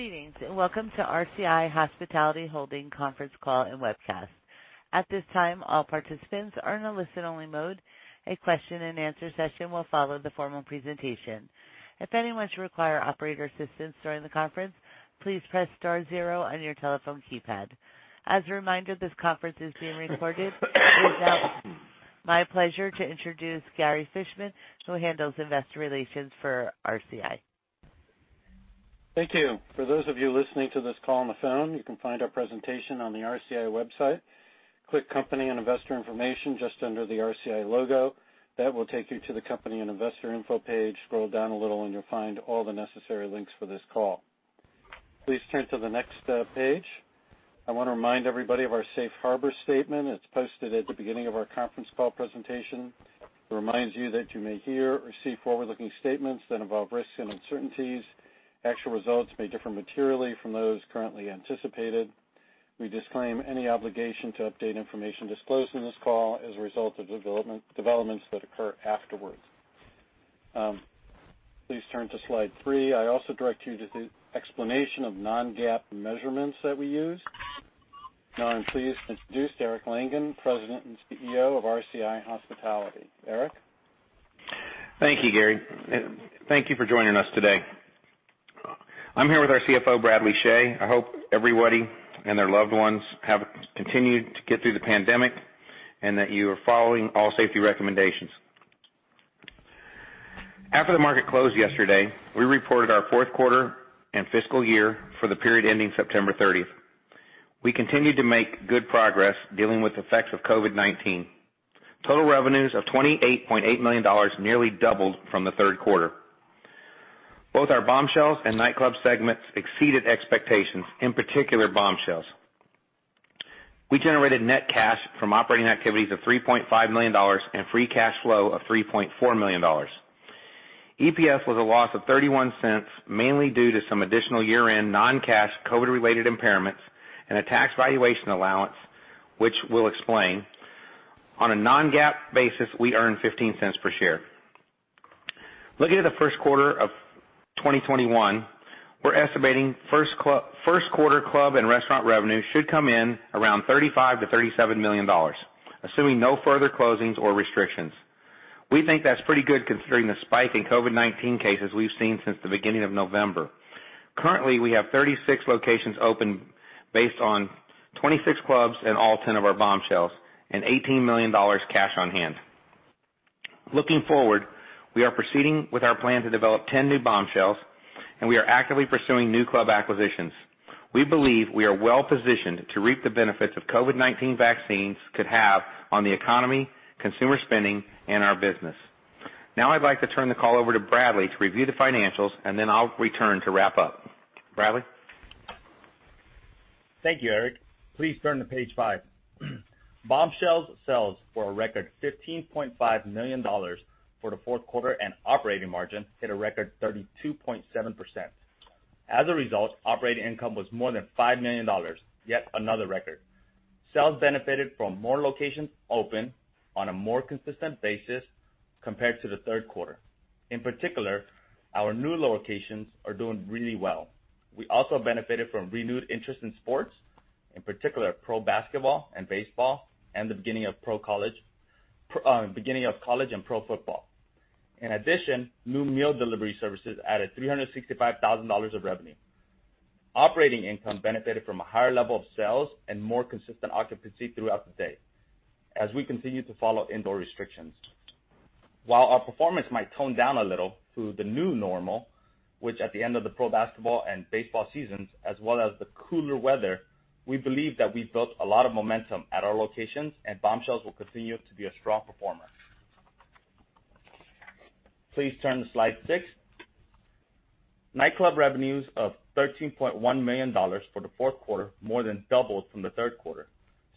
Greeting. Welcome to RCI Hospitality Holdings conference call and webchat. At this time all participants are in a listen only mode. A Q&A session will follow the formal presentation. If anyone requires operator assistance during the conference, please press star zero on your telephone keypad. As a reminder, the conference call is being recorded. It is now my pleasure to introduce Gary Fishman, who handles investor relations for RCI. Thank you. For those of you listening to this call on the phone, you can find our presentation on the RCI website. Click company and investor information just under the RCI logo. That will take you to the company and investor info page. Scroll down a little, and you'll find all the necessary links for this call. Please turn to the next page. I want to remind everybody of our safe harbor statement. It's posted at the beginning of our conference call presentation. It reminds you that you may hear or see forward-looking statements that involve risks and uncertainties. Actual results may differ materially from those currently anticipated. We disclaim any obligation to update information disclosed in this call as a result of developments that occur afterwards. Please turn to slide three. I also direct you to the explanation of non-GAAP measurements that we use. Now I'm pleased to introduce Eric Langan, President and CEO of RCI Hospitality. Eric? Thank you, Gary. Thank you for joining us today. I'm here with our CFO, Bradley Chhay. I hope everybody and their loved ones have continued to get through the pandemic, and that you are following all safety recommendations. After the market closed yesterday, we reported our fourth quarter and fiscal year for the period ending September 30th. We continued to make good progress dealing with effects of COVID-19. Total revenues of $28.8 million nearly doubled from the third quarter. Both our Bombshells and Nightclub segments exceeded expectations, in particular Bombshells. We generated net cash from operating activities of $3.5 million and free cash flow of $3.4 million. EPS was a loss of $0.31, mainly due to some additional year-end non-cash COVID-related impairments and a tax valuation allowance, which we'll explain. On a non-GAAP basis, we earned $0.15 per share. Looking at the first quarter of 2021, we're estimating first quarter club and restaurant revenue should come in around $35 million-$37 million, assuming no further closings or restrictions. We think that's pretty good considering the spike in COVID-19 cases we've seen since the beginning of November. Currently, we have 36 locations open based on 26 clubs and all 10 of our Bombshells, and $18 million cash on hand. Looking forward, we are proceeding with our plan to develop 10 new Bombshells, and we are actively pursuing new club acquisitions. We believe we are well-positioned to reap the benefits COVID-19 vaccines could have on the economy, consumer spending, and our business. Now I'd like to turn the call over to Bradley to review the financials, and then I'll return to wrap up. Bradley? Thank you, Eric. Please turn to page five. Bombshells sales for a record $15.5 million for the fourth quarter and operating margin hit a record 32.7%. As a result, operating income was more than $5 million, yet another record. Sales benefited from more locations open on a more consistent basis compared to the third quarter. In particular, our new locations are doing really well. We also benefited from renewed interest in sports, in particular pro basketball and baseball, and the beginning of college and pro football. In addition, new meal delivery services added $365,000 of revenue. Operating income benefited from a higher level of sales and more consistent occupancy throughout the day as we continue to follow indoor restrictions. While our performance might tone down a little through the new normal, which at the end of the pro basketball and baseball seasons, as well as the cooler weather, we believe that we've built a lot of momentum at our locations, and Bombshells will continue to be a strong performer. Please turn to slide six. Nightclub revenues of $13.1 million for the fourth quarter, more than doubled from the third quarter.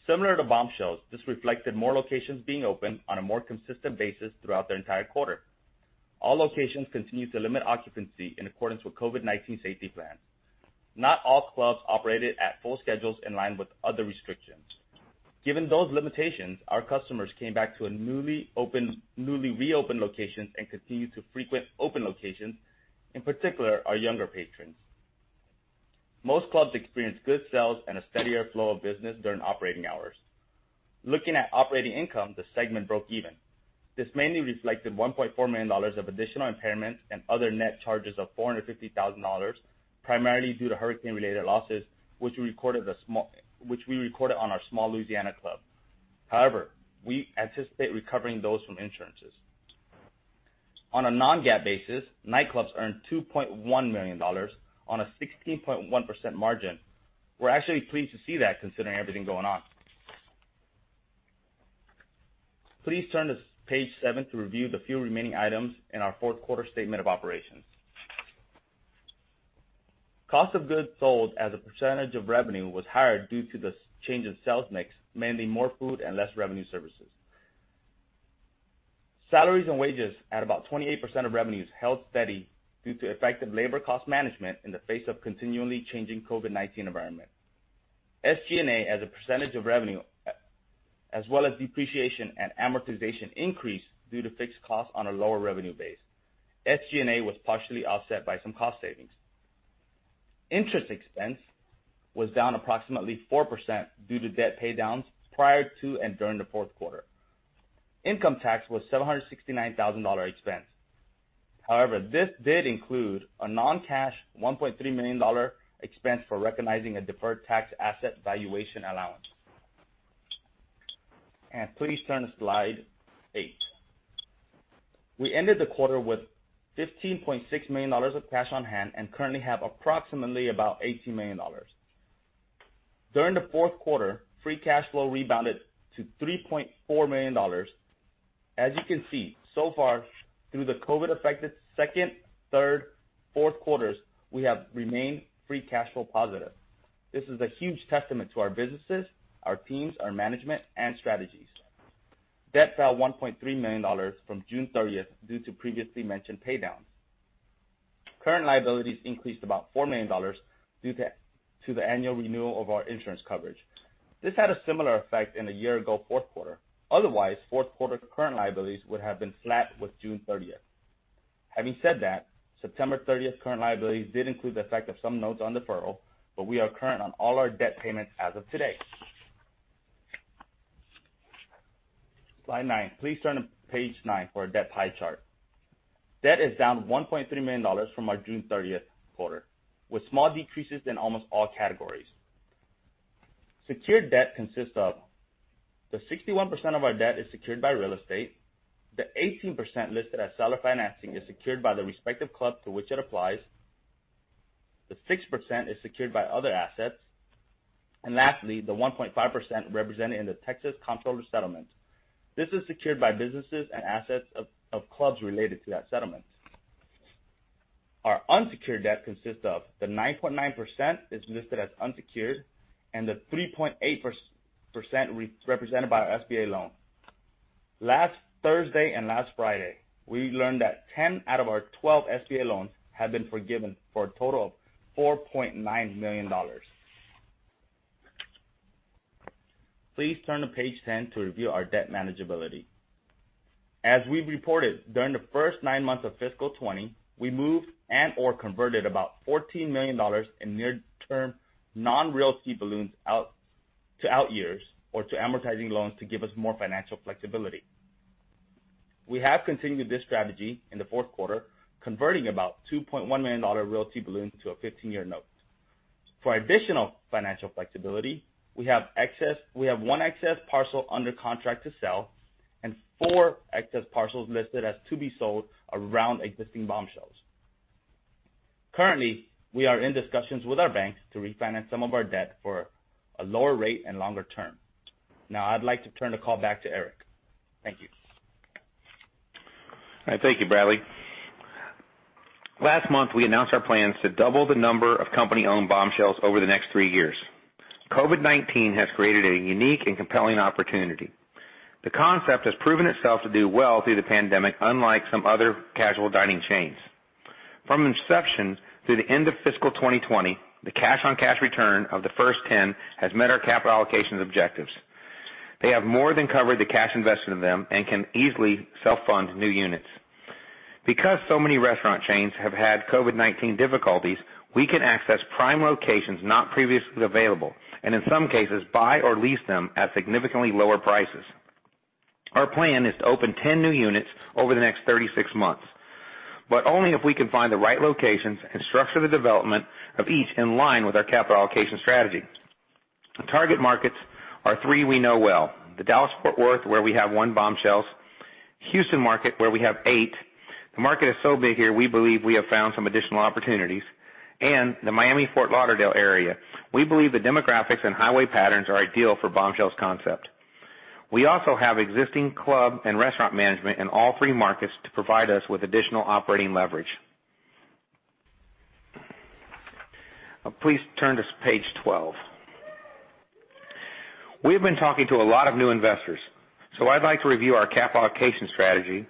Similar to Bombshells, this reflected more locations being open on a more consistent basis throughout the entire quarter. All locations continue to limit occupancy in accordance with COVID-19 safety plans. Not all clubs operated at full schedules in line with other restrictions. Given those limitations, our customers came back to newly reopened locations and continued to frequent open locations, in particular, our younger patrons. Most clubs experienced good sales and a steadier flow of business during operating hours. Looking at operating income, the segment broke even. This mainly reflected $1.4 million of additional impairments and other net charges of $450,000, primarily due to hurricane-related losses, which we recorded on our small Louisiana club. However, we anticipate recovering those from insurances. On a non-GAAP basis, Nightclubs earned $2.1 million on a 16.1% margin. We're actually pleased to see that considering everything going on. Please turn to page seven to review the few remaining items in our fourth quarter statement of operations. Cost of goods sold as a percentage of revenue was higher due to the change in sales mix, meaning more food and less revenue services. Salaries and wages at about 28% of revenues held steady due to effective labor cost management in the face of continually changing COVID-19 environment. SG&A as a percentage of revenue as well as depreciation and amortization increase due to fixed costs on a lower revenue base. SG&A was partially offset by some cost savings. Interest expense was down approximately 4% due to debt paydowns prior to and during the fourth quarter. Income tax was a $769,000 expense. This did include a non-cash $1.3 million expense for recognizing a deferred tax asset valuation allowance. Please turn to slide eight. We ended the quarter with $15.6 million of cash on hand and currently have approximately about $18 million. During the fourth quarter, free cash flow rebounded to $3.4 million. You can see, so far through the COVID-affected second, third, fourth quarters, we have remained free cash flow positive. This is a huge testament to our businesses, our teams, our management, and strategies. Debt fell $1.3 million from June 30th due to previously mentioned paydowns. Current liabilities increased about $4 million due to the annual renewal of our insurance coverage. This had a similar effect in the year-ago fourth quarter. Otherwise, fourth quarter current liabilities would have been flat with June 30th. Having said that, September 30th current liabilities did include the effect of some notes on deferral, but we are current on all our debt payments as of today. Slide nine. Please turn to page nine for our debt pie chart. Debt is down $1.3 million from our June 30th quarter, with small decreases in almost all categories. Secured debt consists of the 61% of our debt is secured by real estate, the 18% listed as seller financing is secured by the respective club to which it applies, the 6% is secured by other assets, and lastly, the 1.5% represented in the Texas Comptroller settlement. This is secured by businesses and assets of clubs related to that settlement. Our unsecured debt consists of the 9.9% is listed as unsecured, and the 3.8% represented by our SBA loan. Last Thursday and last Friday, we learned that 10 out of our 12 SBA loans have been forgiven for a total of $4.9 million. Please turn to page 10 to review our debt manageability. As we've reported, during the first nine months of fiscal 2020, we moved and/or converted about $14 million in near-term non-realty balloons to outyears or to amortizing loans to give us more financial flexibility. We have continued this strategy in the fourth quarter, converting about $2.1 million of realty balloons to a 15-year note. For additional financial flexibility, we have one excess parcel under contract to sell and four excess parcels listed as to be sold around existing Bombshells. Currently, we are in discussions with our banks to refinance some of our debt for a lower rate and longer term. Now I'd like to turn the call back to Eric. Thank you. All right. Thank you, Bradley. Last month, we announced our plans to double the number of company-owned Bombshells over the next three years. COVID-19 has created a unique and compelling opportunity. The concept has proven itself to do well through the pandemic, unlike some other casual dining chains. From inception through the end of fiscal 2020, the cash-on-cash return of the first 10 has met our capital allocations objectives. They have more than covered the cash invested in them and can easily self-fund new units. Because so many restaurant chains have had COVID-19 difficulties, we can access prime locations not previously available, and in some cases, buy or lease them at significantly lower prices. Our plan is to open 10 new units over the next 36 months, but only if we can find the right locations and structure the development of each in line with our capital allocation strategy. The target markets are three we know well, the Dallas-Fort Worth, where we have one Bombshells, the Houston market, where we have eight. The market is so big here, we believe we have found some additional opportunities. The Miami-Fort Lauderdale area. We believe the demographics and highway patterns are ideal for Bombshells concept. We also have existing club and restaurant management in all three markets to provide us with additional operating leverage. Please turn to page 12. We've been talking to a lot of new investors, so I'd like to review our cap allocation strategy.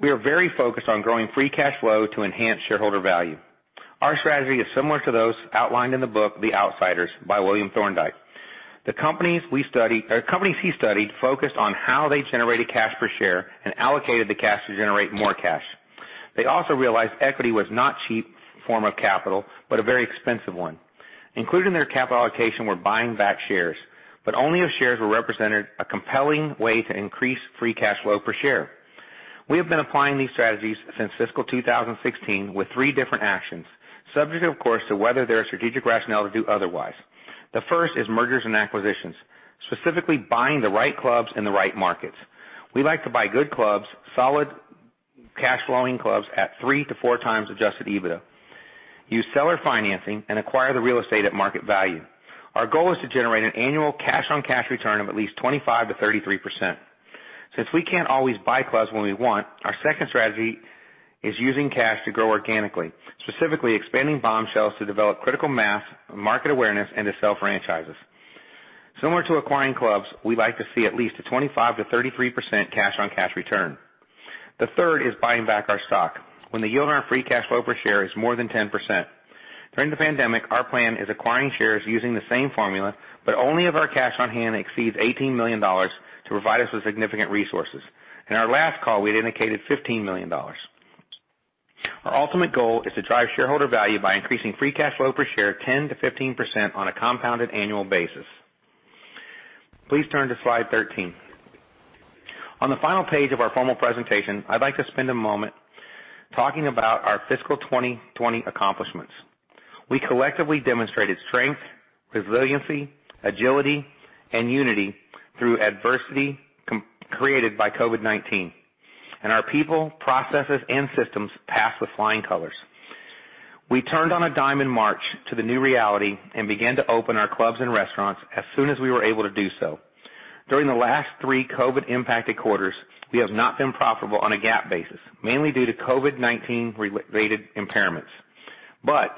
We are very focused on growing free cash flow to enhance shareholder value. Our strategy is similar to those outlined in the book "The Outsiders" by William Thorndike. The companies he studied focused on how they generated cash per share and allocated the cash to generate more cash. They also realized equity was not cheap form of capital, but a very expensive one. Included in their capital allocation were buying back shares, but only if shares represented a compelling way to increase free cash flow per share. We have been applying these strategies since fiscal 2016 with three different actions, subject of course to whether there are strategic rationale to do otherwise. The first is mergers and acquisitions, specifically buying the right clubs in the right markets. We like to buy good clubs, solid cash-flowing clubs, at three to four times adjusted EBITDA, use seller financing, and acquire the real estate at market value. Our goal is to generate an annual cash-on-cash return of at least 25%-33%. Since we can't always buy clubs when we want, our second strategy is using cash to grow organically, specifically expanding Bombshells to develop critical mass, market awareness, and to sell franchises. Similar to acquiring clubs, we like to see at least a 25%-33% cash-on-cash return. The third is buying back our stock when the yield on our free cash flow per share is more than 10%. During the pandemic, our plan is acquiring shares using the same formula, but only if our cash on hand exceeds $18 million to provide us with significant resources. In our last call, we'd indicated $15 million. Our ultimate goal is to drive shareholder value by increasing free cash flow per share 10%-15% on a compounded annual basis. Please turn to slide 13. On the final page of our formal presentation, I'd like to spend a moment talking about our fiscal 2020 accomplishments. We collectively demonstrated strength, resiliency, agility, and unity through adversity created by COVID-19, and our people, processes, and systems passed with flying colors. We turned on a dime in March to the new reality and began to open our clubs and restaurants as soon as we were able to do so. During the last three COVID-impacted quarters, we have not been profitable on a GAAP basis, mainly due to COVID-19-related impairments.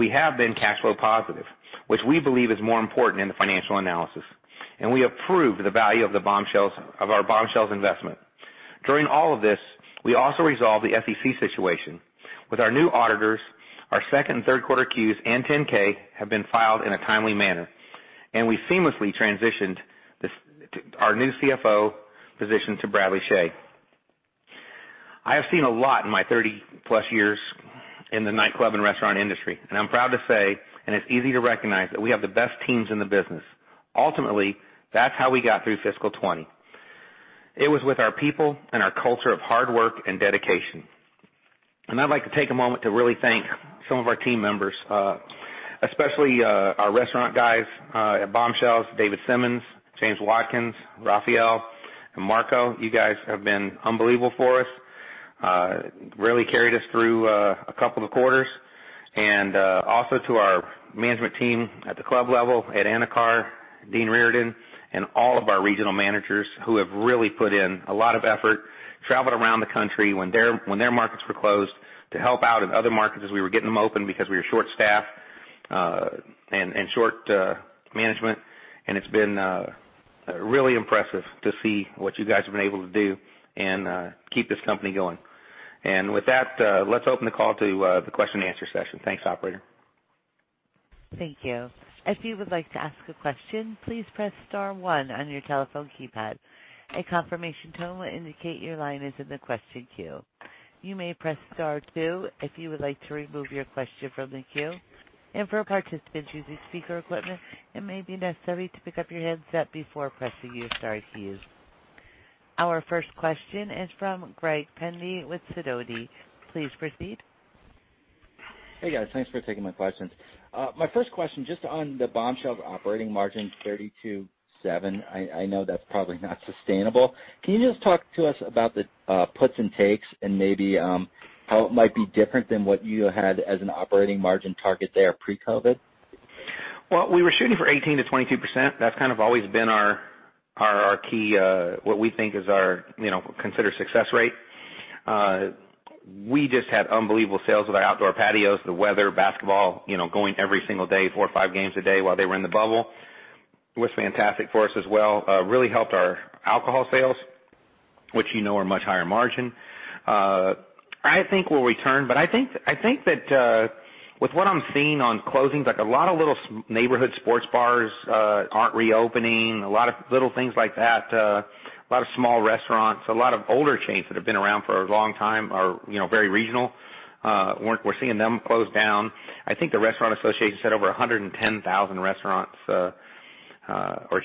We have been cash flow positive, which we believe is more important in the financial analysis, and we approved the value of our Bombshells investment. During all of this, we also resolved the SEC situation. With our new auditors, our second and third quarter Qs and 10-K have been filed in a timely manner. We seamlessly transitioned our new CFO position to Bradley Chhay. I have seen a lot in my 30+ years in the nightclub and restaurant industry, and I'm proud to say, and it's easy to recognize, that we have the best teams in the business. Ultimately, that's how we got through fiscal 2020. It was with our people and our culture of hard work and dedication. I'd like to take a moment to really thank some of our team members, especially our restaurant guys at Bombshells, David Simmons, James Watkins, Rafael, and Marco. You guys have been unbelievable for us, really carried us through a couple of quarters. Also to our management team at the club level Ed Anacar, Dean Reardon, and all of our regional managers who have really put in a lot of effort, traveled around the country when their markets were closed to help out in other markets as we were getting them open because we were short-staffed and short management. It's been really impressive to see what you guys have been able to do and keep this company going. With that, let's open the call to the Q&A session. Thanks, operator. Thank you. If you would like to ask a question, please press star one on your telephone keypad. A confirmation tone will indicate your line is in the question queue. You may press star two if you would like to remove your question from the queue. For participants using speaker equipment, it may be necessary to pick up your headset before pressing your star keys. Our first question is from Greg Pendy with Sidoti. Please proceed. Hey, guys. Thanks for taking my questions. My first question, just on the Bombshells operating margin, 32.7%. I know that's probably not sustainable. Can you just talk to us about the puts and takes and maybe how it might be different than what you had as an operating margin target there pre-COVID? Well, we were shooting for 18%-22%. That's kind of always been our key, what we think is our considered success rate. We just had unbelievable sales with our outdoor patios, the weather, basketball, going every single day, four or five games a day while they were in the bubble. It was fantastic for us as well. Really helped our alcohol sales, which you know are much higher margin. I think we'll return, but I think that with what I'm seeing on closings, like a lot of little neighborhood sports bars aren't reopening. A lot of little things like that. A lot of small restaurants, a lot of older chains that have been around for a long time are very regional. We're seeing them close down. I think the National Restaurant Association said over 110,000 restaurants or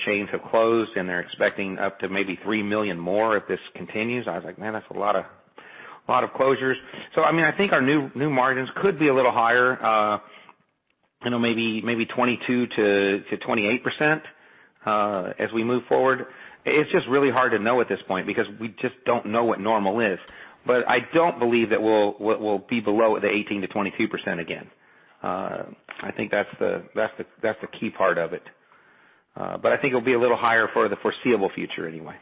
chains have closed, and they're expecting up to maybe 3 million more if this continues. I was like, "Man, that's a lot of closures." I think our new margins could be a little higher, maybe 22%-28%, as we move forward. It's just really hard to know at this point because we just don't know what normal is. I don't believe that we'll be below the 18%-22% again. I think that's the key part of it. I think it'll be a little higher for the foreseeable future anyway.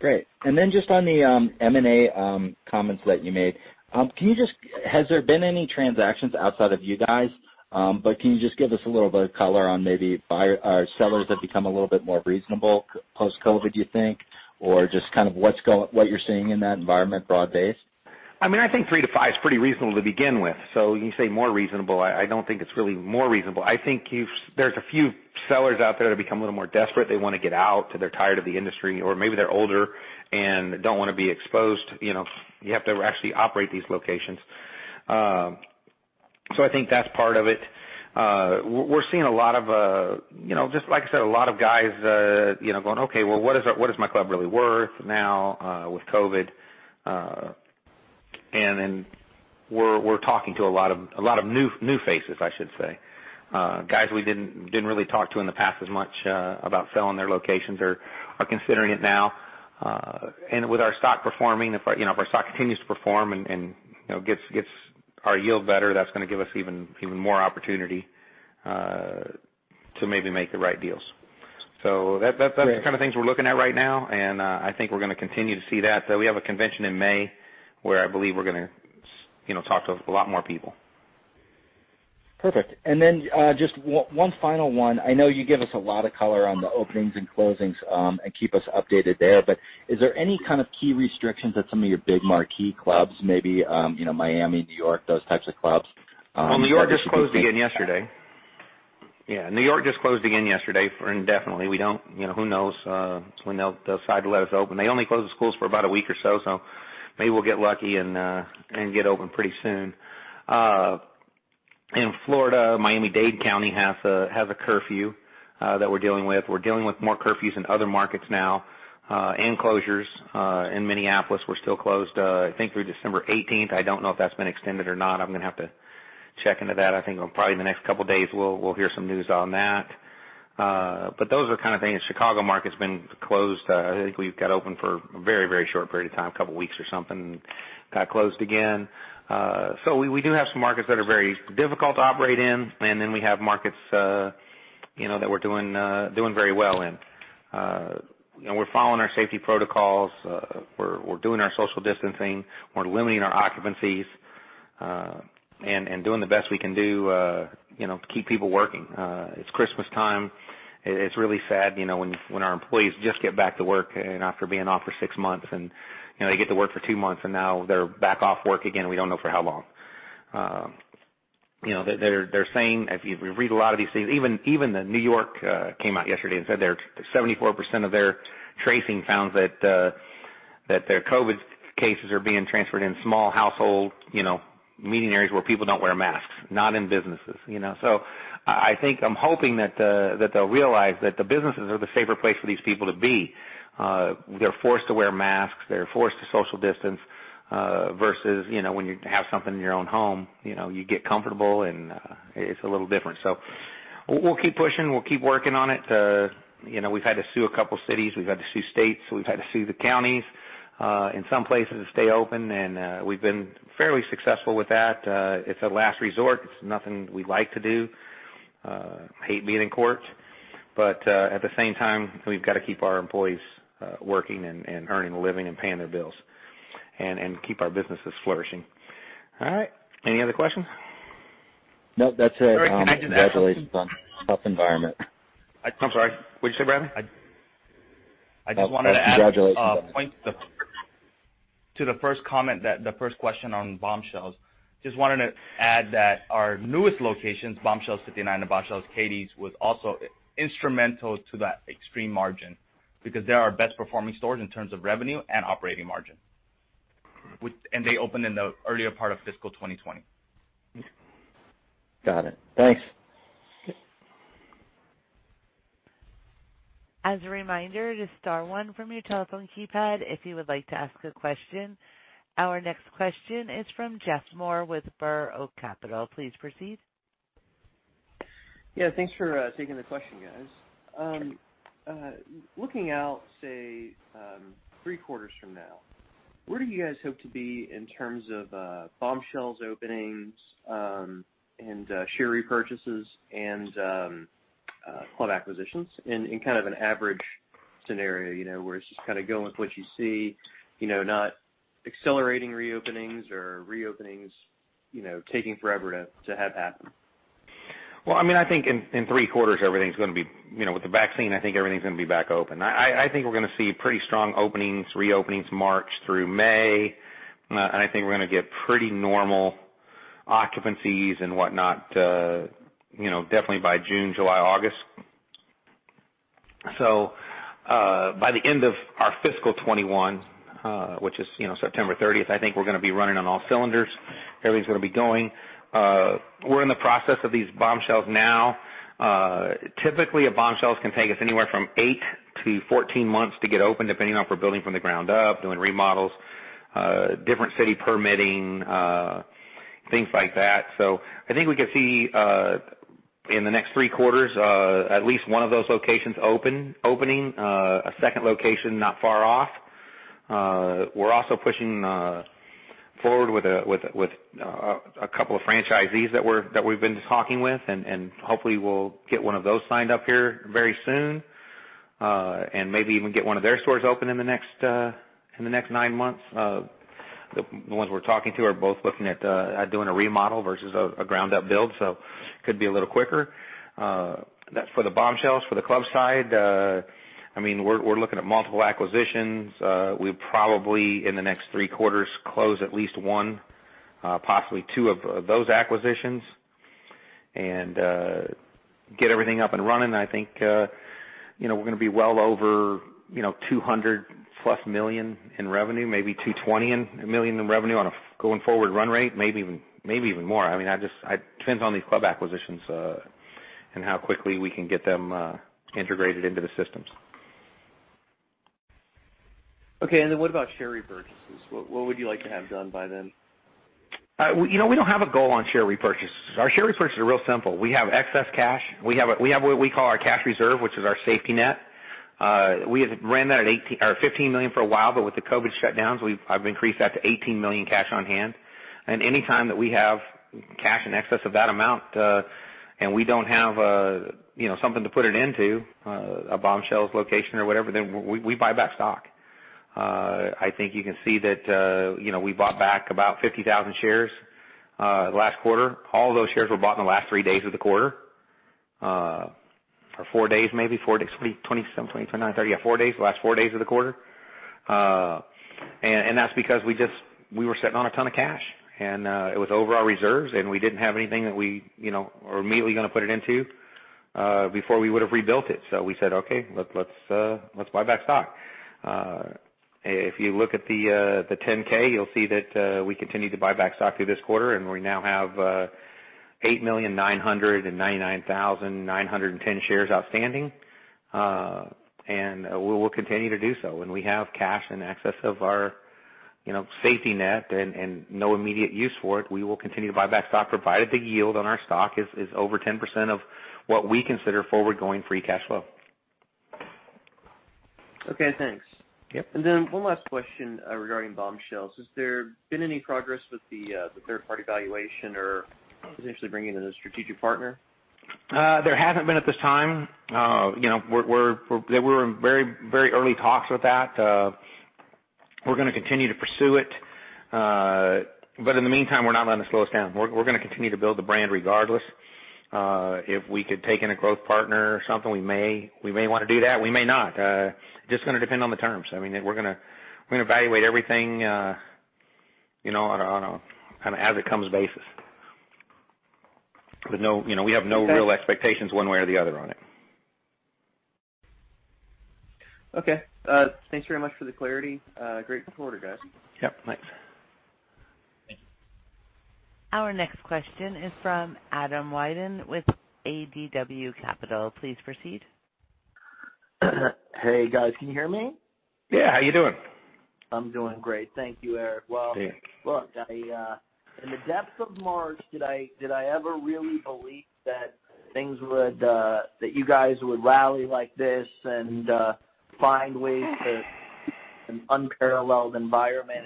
Great. Just on the M&A comments that you made. Has there been any transactions outside of you guys? Can you just give us a little bit of color on maybe buyers or sellers have become a little bit more reasonable post-COVID, do you think? Just what you're seeing in that environment broad-based? I think three to five is pretty reasonable to begin with. You say more reasonable, I don't think it's really more reasonable. I think there's a few sellers out there that become a little more desperate. They want to get out, or they're tired of the industry, or maybe they're older and don't want to be exposed. You have to actually operate these locations. I think that's part of it. We're seeing a lot of, just like I said, a lot of guys going, "Okay, well, what is my club really worth now with COVID?" We're talking to a lot of new faces, I should say. Guys we didn't really talk to in the past as much about selling their locations are considering it now. With our stock performing, if our stock continues to perform and gets our yield better, that's going to give us even more opportunity to maybe make the right deals. That's the kind of things we're looking at right now, and I think we're going to continue to see that. We have a convention in May where I believe we're going to talk to a lot more people Perfect. Just one final one. I know you give us a lot of color on the openings and closings, and keep us updated there, but is there any kind of key restrictions at some of your big marquee clubs, maybe Miami, New York, those types of clubs? Well, New York just closed again yesterday. Yeah. New York just closed again yesterday indefinitely. Who knows when they'll decide to let us open. They only closed the schools for about a week or so maybe we'll get lucky and get open pretty soon. In Florida, Miami-Dade County has a curfew that we're dealing with. We're dealing with more curfews in other markets now, and closures. In Minneapolis, we're still closed, I think, through December 18th. I don't know if that's been extended or not. I'm going to have to check into that. I think probably in the next couple of days, we'll hear some news on that. Those are the kind of things. Chicago market's been closed. I think we got open for a very short period of time, a couple of weeks or something, and got closed again. We do have some markets that are very difficult to operate in, and then we have markets that we're doing very well in. We're following our safety protocols. We're doing our social distancing. We're limiting our occupancies, and doing the best we can do to keep people working. It's Christmas time. It's really sad when our employees just get back to work after being off for six months, and they get to work for two months, and now they're back off work again, we don't know for how long. They're saying, if we read a lot of these things, even New York came out yesterday and said 74% of their tracing found that their COVID cases are being transferred in small household meeting areas where people don't wear masks, not in businesses. I'm hoping that they'll realize that the businesses are the safer place for these people to be. They're forced to wear masks. They're forced to social distance, versus when you have something in your own home, you get comfortable and it's a little different. We'll keep pushing. We'll keep working on it. We've had to sue a couple cities. We've had to sue states. We've had to sue the counties in some places to stay open, and we've been fairly successful with that. It's a last resort. It's nothing we like to do. Hate being in court. At the same time, we've got to keep our employees working and earning a living and paying their bills, and keep our businesses flourishing. All right. Any other questions? No, that's it. Eric, can I just ask? Congratulations on a tough environment. I'm sorry, what'd you say, Bradley? I just wanted to- Congratulations on that. point to the first comment, the first question on Bombshells. Just wanted to add that our newest locations, Bombshells 59 and Bombshells Katy, was also instrumental to that extreme margin because they're our best performing stores in terms of revenue and operating margin. They opened in the earlier part of fiscal 2020. Got it. Thanks. Okay. As a reminder, just star one from your telephone keypad if you would like to ask a question. Our next question is from Jeff Moore with Burr Oak Capital. Please proceed. Yeah. Thanks for taking the question, guys. Sure. Looking out, say, three quarters from now, where do you guys hope to be in terms of Bombshells openings, and share repurchases, and club acquisitions in kind of an average scenario, where it's just kind of go with what you see, not accelerating reopenings or reopenings taking forever to have happen? Well, I think in three quarters, with the vaccine, I think everything's going to be back open. I think we're going to see pretty strong openings, reopenings March through May. I think we're going to get pretty normal occupancies and whatnot definitely by June, July, August. By the end of our fiscal 2021, which is September 30th, I think we're going to be running on all cylinders. Everything's going to be going. We're in the process of these Bombshells now. Typically, a Bombshells can take us anywhere from 8-14 months to get open, depending on if we're building from the ground up, doing remodels, different city permitting, things like that. I think we could see, in the next three quarters, at least one of those locations opening, a second location not far off. We're also pushing forward with a couple of franchisees that we've been talking with, and hopefully we'll get one of those signed up here very soon. Maybe even get one of their stores open in the next nine months. The ones we're talking to are both looking at doing a remodel versus a ground-up build, so could be a little quicker. That's for the Bombshells. For the club side, we're looking at multiple acquisitions. We'll probably, in the next three quarters, close at least one, possibly two of those acquisitions and get everything up and running. I think we're going to be well over $200+ million in revenue, maybe $220 million in revenue on a going-forward run rate, maybe even more. It depends on these club acquisitions, and how quickly we can get them integrated into the systems. Okay. What about share repurchases? What would you like to have done by then? We don't have a goal on share repurchases. Our share repurchases are real simple. We have excess cash. We have what we call our cash reserve, which is our safety net. We ran that at $15 million for a while, but with the COVID-19 shutdowns, I've increased that to $18 million cash on hand. Any time that we have cash in excess of that amount, and we don't have something to put it into, a Bombshells location or whatever, then we buy back stock. I think you can see that we bought back about 50,000 shares last quarter. All those shares were bought in the last three days of the quarter, or four days, maybe. Four days. 27, 28, 29, 30. Yeah, four days. The last four days of the quarter. That's because we were sitting on a ton of cash, and it was over our reserves, and we didn't have anything that we were immediately going to put it into before we would have rebuilt it. We said, "Okay. Let's buy back stock." If you look at the 10-K, you'll see that we continued to buy back stock through this quarter, and we now have 8,999,910 shares outstanding. We will continue to do so. When we have cash in excess of our safety net and no immediate use for it, we will continue to buy back stock, provided the yield on our stock is over 10% of what we consider forward-going free cash flow. Okay, thanks. Yep. One last question regarding Bombshells. Has there been any progress with the third-party valuation or potentially bringing in a strategic partner? There hasn't been at this time. We're in very early talks with that. We're going to continue to pursue it. In the meantime, we're not letting it slow us down. We're going to continue to build the brand regardless. If we could take in a growth partner or something, we may want to do that. We may not. Just going to depend on the terms. We're going to evaluate everything on a kind of as it comes basis. We have no real expectations one way or the other on it. Okay. Thanks very much for the clarity. Great quarter, guys. Yep, thanks. Thank you. Our next question is from Adam Wyden with ADW Capital. Please proceed. Hey, guys. Can you hear me? Yeah. How you doing? I'm doing great. Thank you, Eric. Thanks. Well, look, in the depths of March, did I ever really believe that you guys would rally like this and find ways to an unparalleled environment.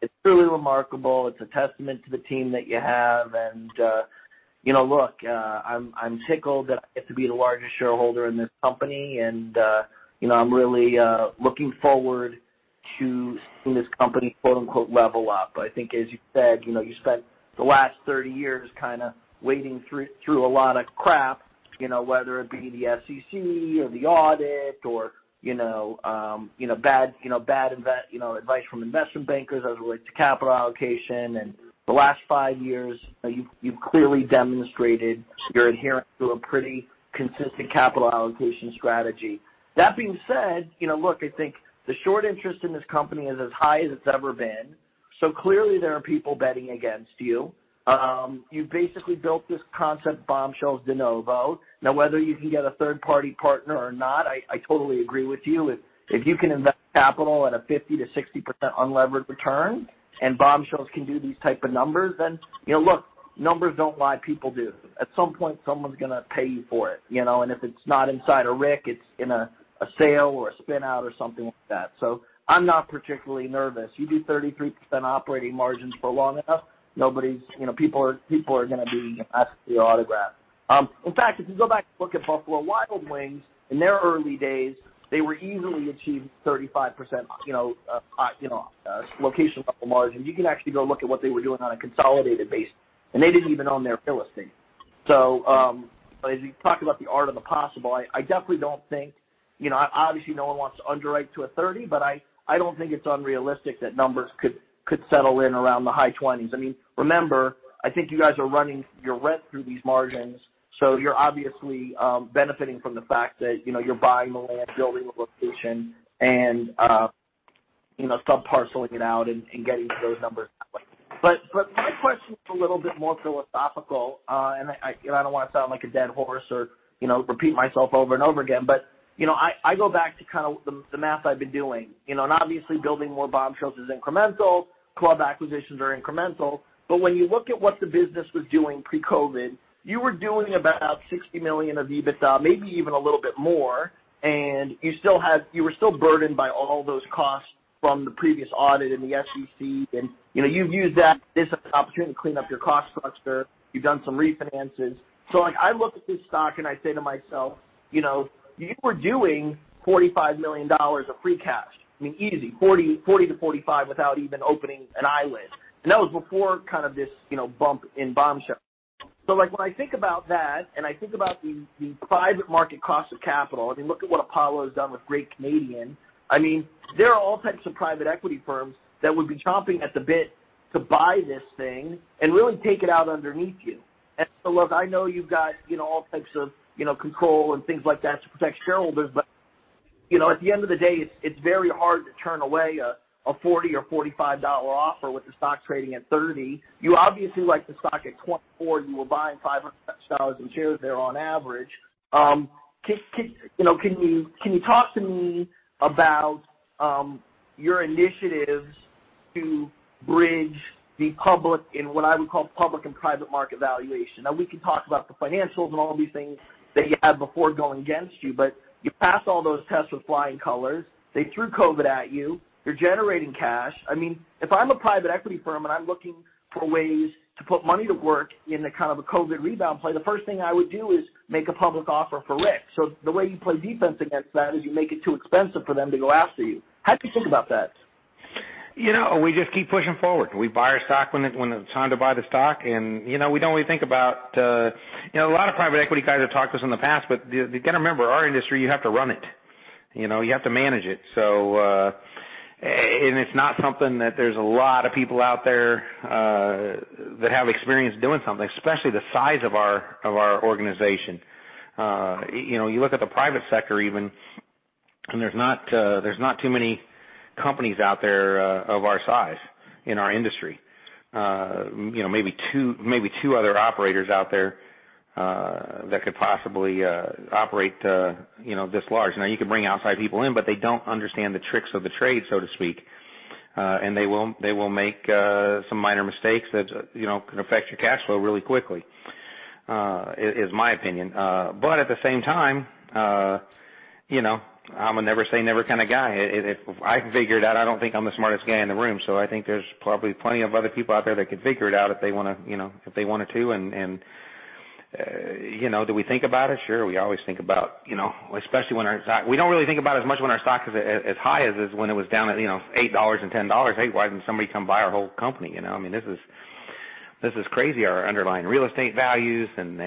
It's truly remarkable. It's a testament to the team that you have. Look, I'm tickled that I get to be the largest shareholder in this company, and I'm really looking forward to seeing this company, quote-unquote, "level up." I think, as you said, you spent the last 30 years kind of wading through a lot of crap, whether it be the SEC or the audit or bad advice from investment bankers as it relates to capital allocation. The last five years, you've clearly demonstrated your adherence to a pretty consistent capital allocation strategy. That being said, look, I think the short interest in this company is as high as it's ever been. Clearly, there are people betting against you. You basically built this concept, Bombshells, de novo. Now, whether you can get a third-party partner or not, I totally agree with you. If you can invest capital at a 50%-60% unlevered return and Bombshells can do these type of numbers, then look, numbers don't lie, people do. At some point, someone's going to pay you for it. If it's not inside a Rick, it's in a sale or a spin-out or something like that. I'm not particularly nervous. You do 33% operating margins for long enough, people are going to be asking for your autograph. In fact, if you go back and look at Buffalo Wild Wings in their early days, they were easily achieving 35% location level margins. You can actually go look at what they were doing on a consolidated basis, and they didn't even own their real estate. As you talk about the art of the possible, I definitely don't think-- obviously, no one wants to underwrite to a 30, but I don't think it's unrealistic that numbers could settle in around the high 20s. Remember, I think you guys are running your rent through these margins, so you're obviously benefiting from the fact that you're buying the land, building the location, and sub-parceling it out and getting those numbers that way. My question is a little bit more philosophical, and I don't want to sound like a dead horse or repeat myself over and over again, but I go back to kind of the math I've been doing. Obviously, building more Bombshells is incremental. Club acquisitions are incremental. When you look at what the business was doing pre-COVID, you were doing about $60 million of EBITDA, maybe even a little bit more, and you were still burdened by all those costs from the previous audit and the SEC, and you've used that as an opportunity to clean up your cost structure. You've done some refinances. I look at this stock and I say to myself, "You were doing $45 million of free cash. Easy. $40 million-$45 million without even opening an eyelid." And that was before kind of this bump in Bombshells. When I think about that and I think about the private market cost of capital, look at what Apollo has done with Great Canadian. There are all types of private equity firms that would be chomping at the bit to buy this thing and really take it out underneath you. Look, I know you've got all types of control and things like that to protect shareholders, but at the end of the day, it's very hard to turn away a $40 or $45 offer with the stock trading at $30. You obviously like the stock at $24. You were buying $500,000 in shares there on average. Can you talk to me about your initiatives to bridge the public in what I would call public and private market valuation? We can talk about the financials and all these things that you had before going against you, but you passed all those tests with flying colors. They threw COVID-19 at you. You're generating cash. If I'm a private equity firm and I'm looking for ways to put money to work in a kind of a COVID rebound play, the first thing I would do is make a public offer for Rick. The way you play defense against that is you make it too expensive for them to go after you. How do you think about that? We just keep pushing forward. We buy our stock when it's time to buy the stock. A lot of private equity guys have talked to us in the past, but you got to remember, our industry, you have to run it. You have to manage it. It's not something that there's a lot of people out there that have experience doing something, especially the size of our organization. You look at the private sector even. There's not too many companies out there of our size in our industry. Maybe two other operators out there that could possibly operate this large. Now, you could bring outside people in, but they don't understand the tricks of the trade, so to speak. They will make some minor mistakes that can affect your cash flow really quickly, is my opinion. At the same time, I'm a never say never kind of guy. If I can figure it out, I don't think I'm the smartest guy in the room. I think there's probably plenty of other people out there that could figure it out if they wanted to. Do we think about it? Sure. We always think about, especially when our stock. We don't really think about it as much when our stock is as high as when it was down at $8 and $10. Hey, why doesn't somebody come buy our whole company? I mean, this is crazy, our underlying real estate values and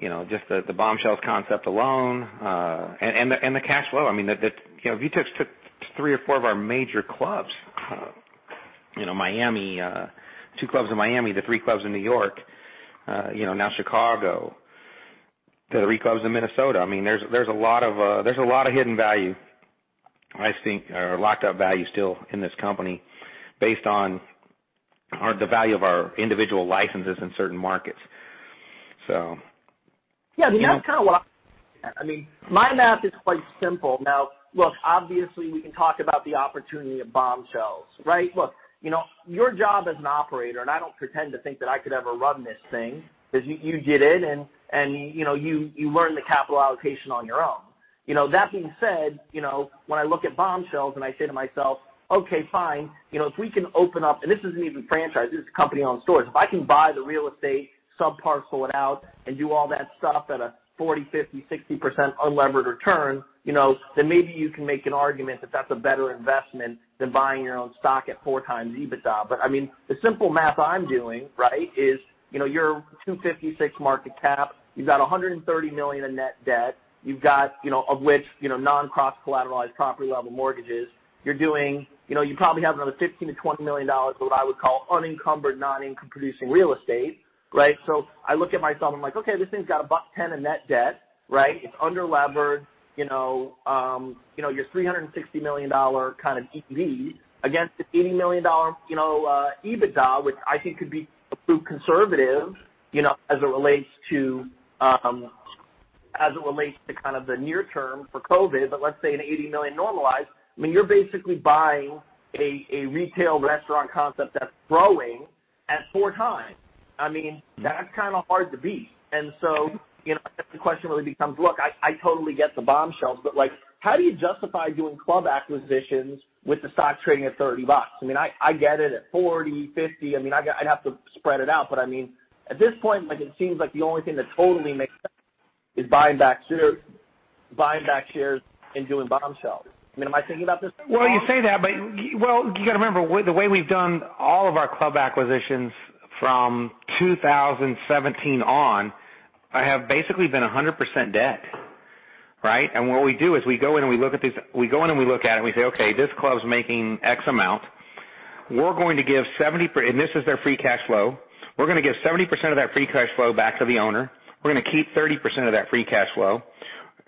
then just the Bombshells concept alone, and the cash flow. If you took three or four of our major clubs, two clubs in Miami, the three clubs in New York, now Chicago, the three clubs in Minnesota. There's a lot of hidden value, I think, or locked up value still in this company based on the value of our individual licenses in certain markets. Yeah. That's kind of why. My math is quite simple. Look, obviously, we can talk about the opportunity of Bombshells. Look, your job as an operator, and I don't pretend to think that I could ever run this thing, because you did it, and you learned the capital allocation on your own. That being said, when I look at Bombshells and I say to myself, okay, fine, if we can open up, and this isn't even franchise, this is company-owned stores. If I can buy the real estate, sub parcel it out, and do all that stuff at a 40%, 50%, 60% unlevered return, then maybe you can make an argument that that's a better investment than buying your own stock at four times EBITDA. The simple math I'm doing is, your $256 million market cap, you've got $130 million in net debt, of which non-cross collateralized property level mortgages. You probably have another $15 million-$20 million of what I would call unencumbered, non-income producing real estate. I look at my sum, I'm like, okay, this thing's got $110 million in net debt. It's under-levered. Your $360 million kind of EV against an $80 million EBITDA, which I think could be a bit conservative, as it relates to kind of the near term for COVID-19, but let's say an $80 million normalized. You're basically buying a retail restaurant concept that's growing at four times. That's kind of hard to beat. The question really becomes, look, I totally get the Bombshells, but how do you justify doing club acquisitions with the stock trading at $30? I get it at $40, $50. I'd have to spread it out, but at this point, it seems like the only thing that totally makes sense is buying back shares and doing Bombshells. Am I thinking about this wrong? You say that, but you got to remember, the way we've done all of our club acquisitions from 2017 on have basically been 100% debt. What we do is we go in and we look at it, and we say, okay, this club's making X amount. This is their free cash flow. We're going to give 70% of that free cash flow back to the owner. We're going to keep 30% of that free cash flow.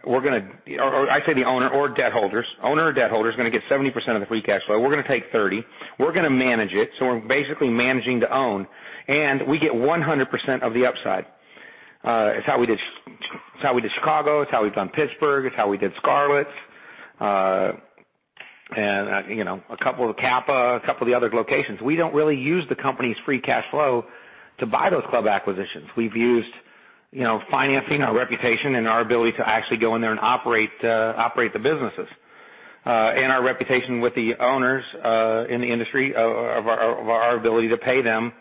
I say the owner or debt holders. Owner or debt holder is going to get 70% of the free cash flow. We're going to take 30%. We're going to manage it. We're basically managing to own, and we get 100% of the upside. It's how we did Chicago, it's how we've done Pittsburgh, it's how we did Scarlett's. A couple of Kappa, a couple of the other locations. We don't really use the company's free cash flow to buy those club acquisitions. We've used financing, our reputation, and our ability to actually go in there and operate the businesses. Our reputation with the owners in the industry of our ability to pay them,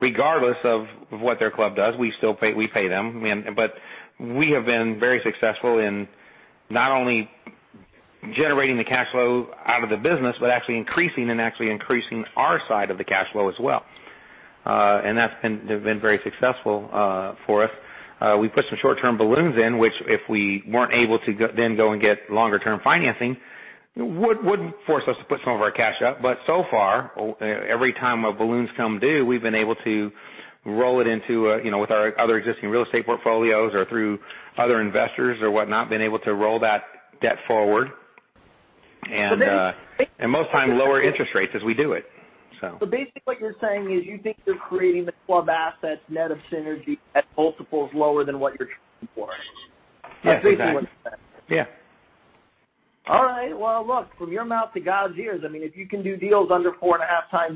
regardless of what their club does, we still pay them. We have been very successful in not only generating the cash flow out of the business, but actually increasing our side of the cash flow as well. That's been very successful for us. We put some short-term balloons in which if we weren't able to then go and get longer term financing, would force us to put some of our cash up. So far, every time our balloons come due, we've been able to roll it in with our other existing real estate portfolios or through other investors or whatnot, been able to roll that debt forward, most time, lower interest rates as we do it. Basically what you're saying is you think you're creating the club assets net of synergy at multiples lower than what you're trading for. Yes, exactly. That's basically what you said. Yeah. All right. Well, look, from your mouth to God's ears, if you can do deals under 4.5x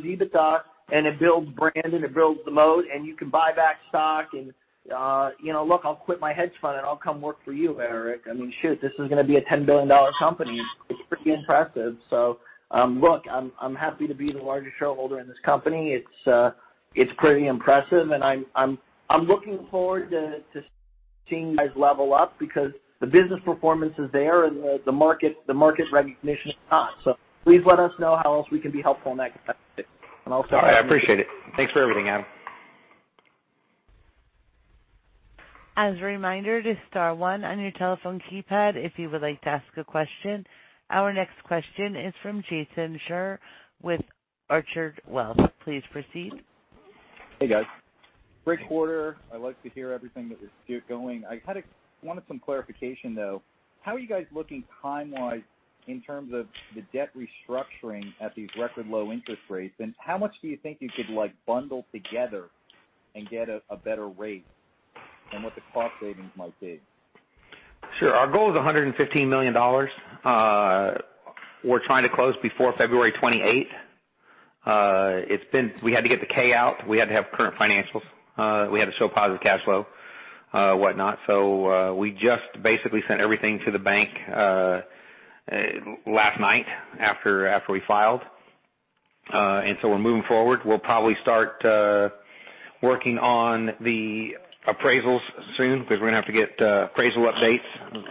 EBITDA and it builds brand and it builds the moat and you can buy back stock and Look, I'll quit my hedge fund, and I'll come work for you, Eric. Shoot, this is going to be a $10 billion company. It's pretty impressive. Look, I'm happy to be the largest shareholder in this company. It's pretty impressive, and I'm looking forward to seeing you guys level up because the business performance is there and the market recognition is not. Please let us know how else we can be helpful next time. I appreciate it. Thanks for everything, Adam. As a reminder to star one on your telephone keypad if you would like to ask a question. Our next question is from Jason Scheurer with Orchard Wealth. Please proceed. Hey, guys. Great quarter. I like to hear everything that is going. I kind of wanted some clarification, though. How are you guys looking time-wise in terms of the debt restructuring at these record low interest rates, and how much do you think you could, like, bundle together and get a better rate and what the cost savings might be? Sure. Our goal is $115 million. We're trying to close before February 28th. We had to get the K out. We had to have current financials. We had to show positive cash flow, whatnot. We just basically sent everything to the bank last night after we filed. We're moving forward. We'll probably start working on the appraisals soon because we're going to have to get appraisal updates.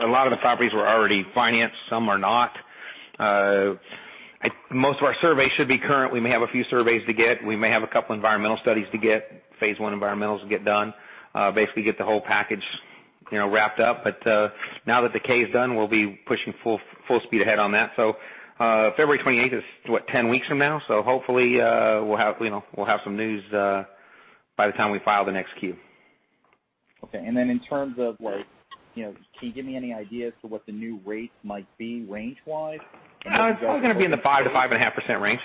A lot of the properties were already financed. Some are not. Most of our surveys should be current. We may have a few surveys to get. We may have a couple of environmental studies to get, phase I environmentals to get done. Basically get the whole package wrapped up. Now that the K is done, we'll be pushing full speed ahead on that. February 28th is, what, 10 weeks from now? Hopefully, we'll have some news by the time we file the next Q. Okay. Then in terms of like, can you give me any idea as to what the new rates might be range-wise? It's probably going to be in the 5%-5.5% range.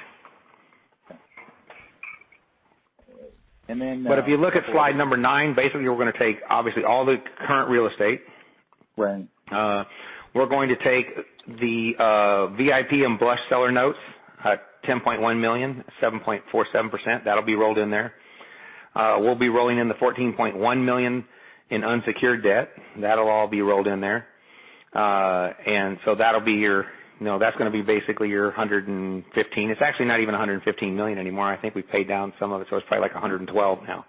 And then- If you look at slide number nine, basically, we're going to take, obviously, all the current real estate. Right. We're going to take the VIP and Blush seller notes at $10.1 million, 7.47%. That'll be rolled in there. We'll be rolling in the $14.1 million in unsecured debt. That'll all be rolled in there. That's going to be basically your $115. It's actually not even $115 million anymore. I think we paid down some of it's probably like $112 now,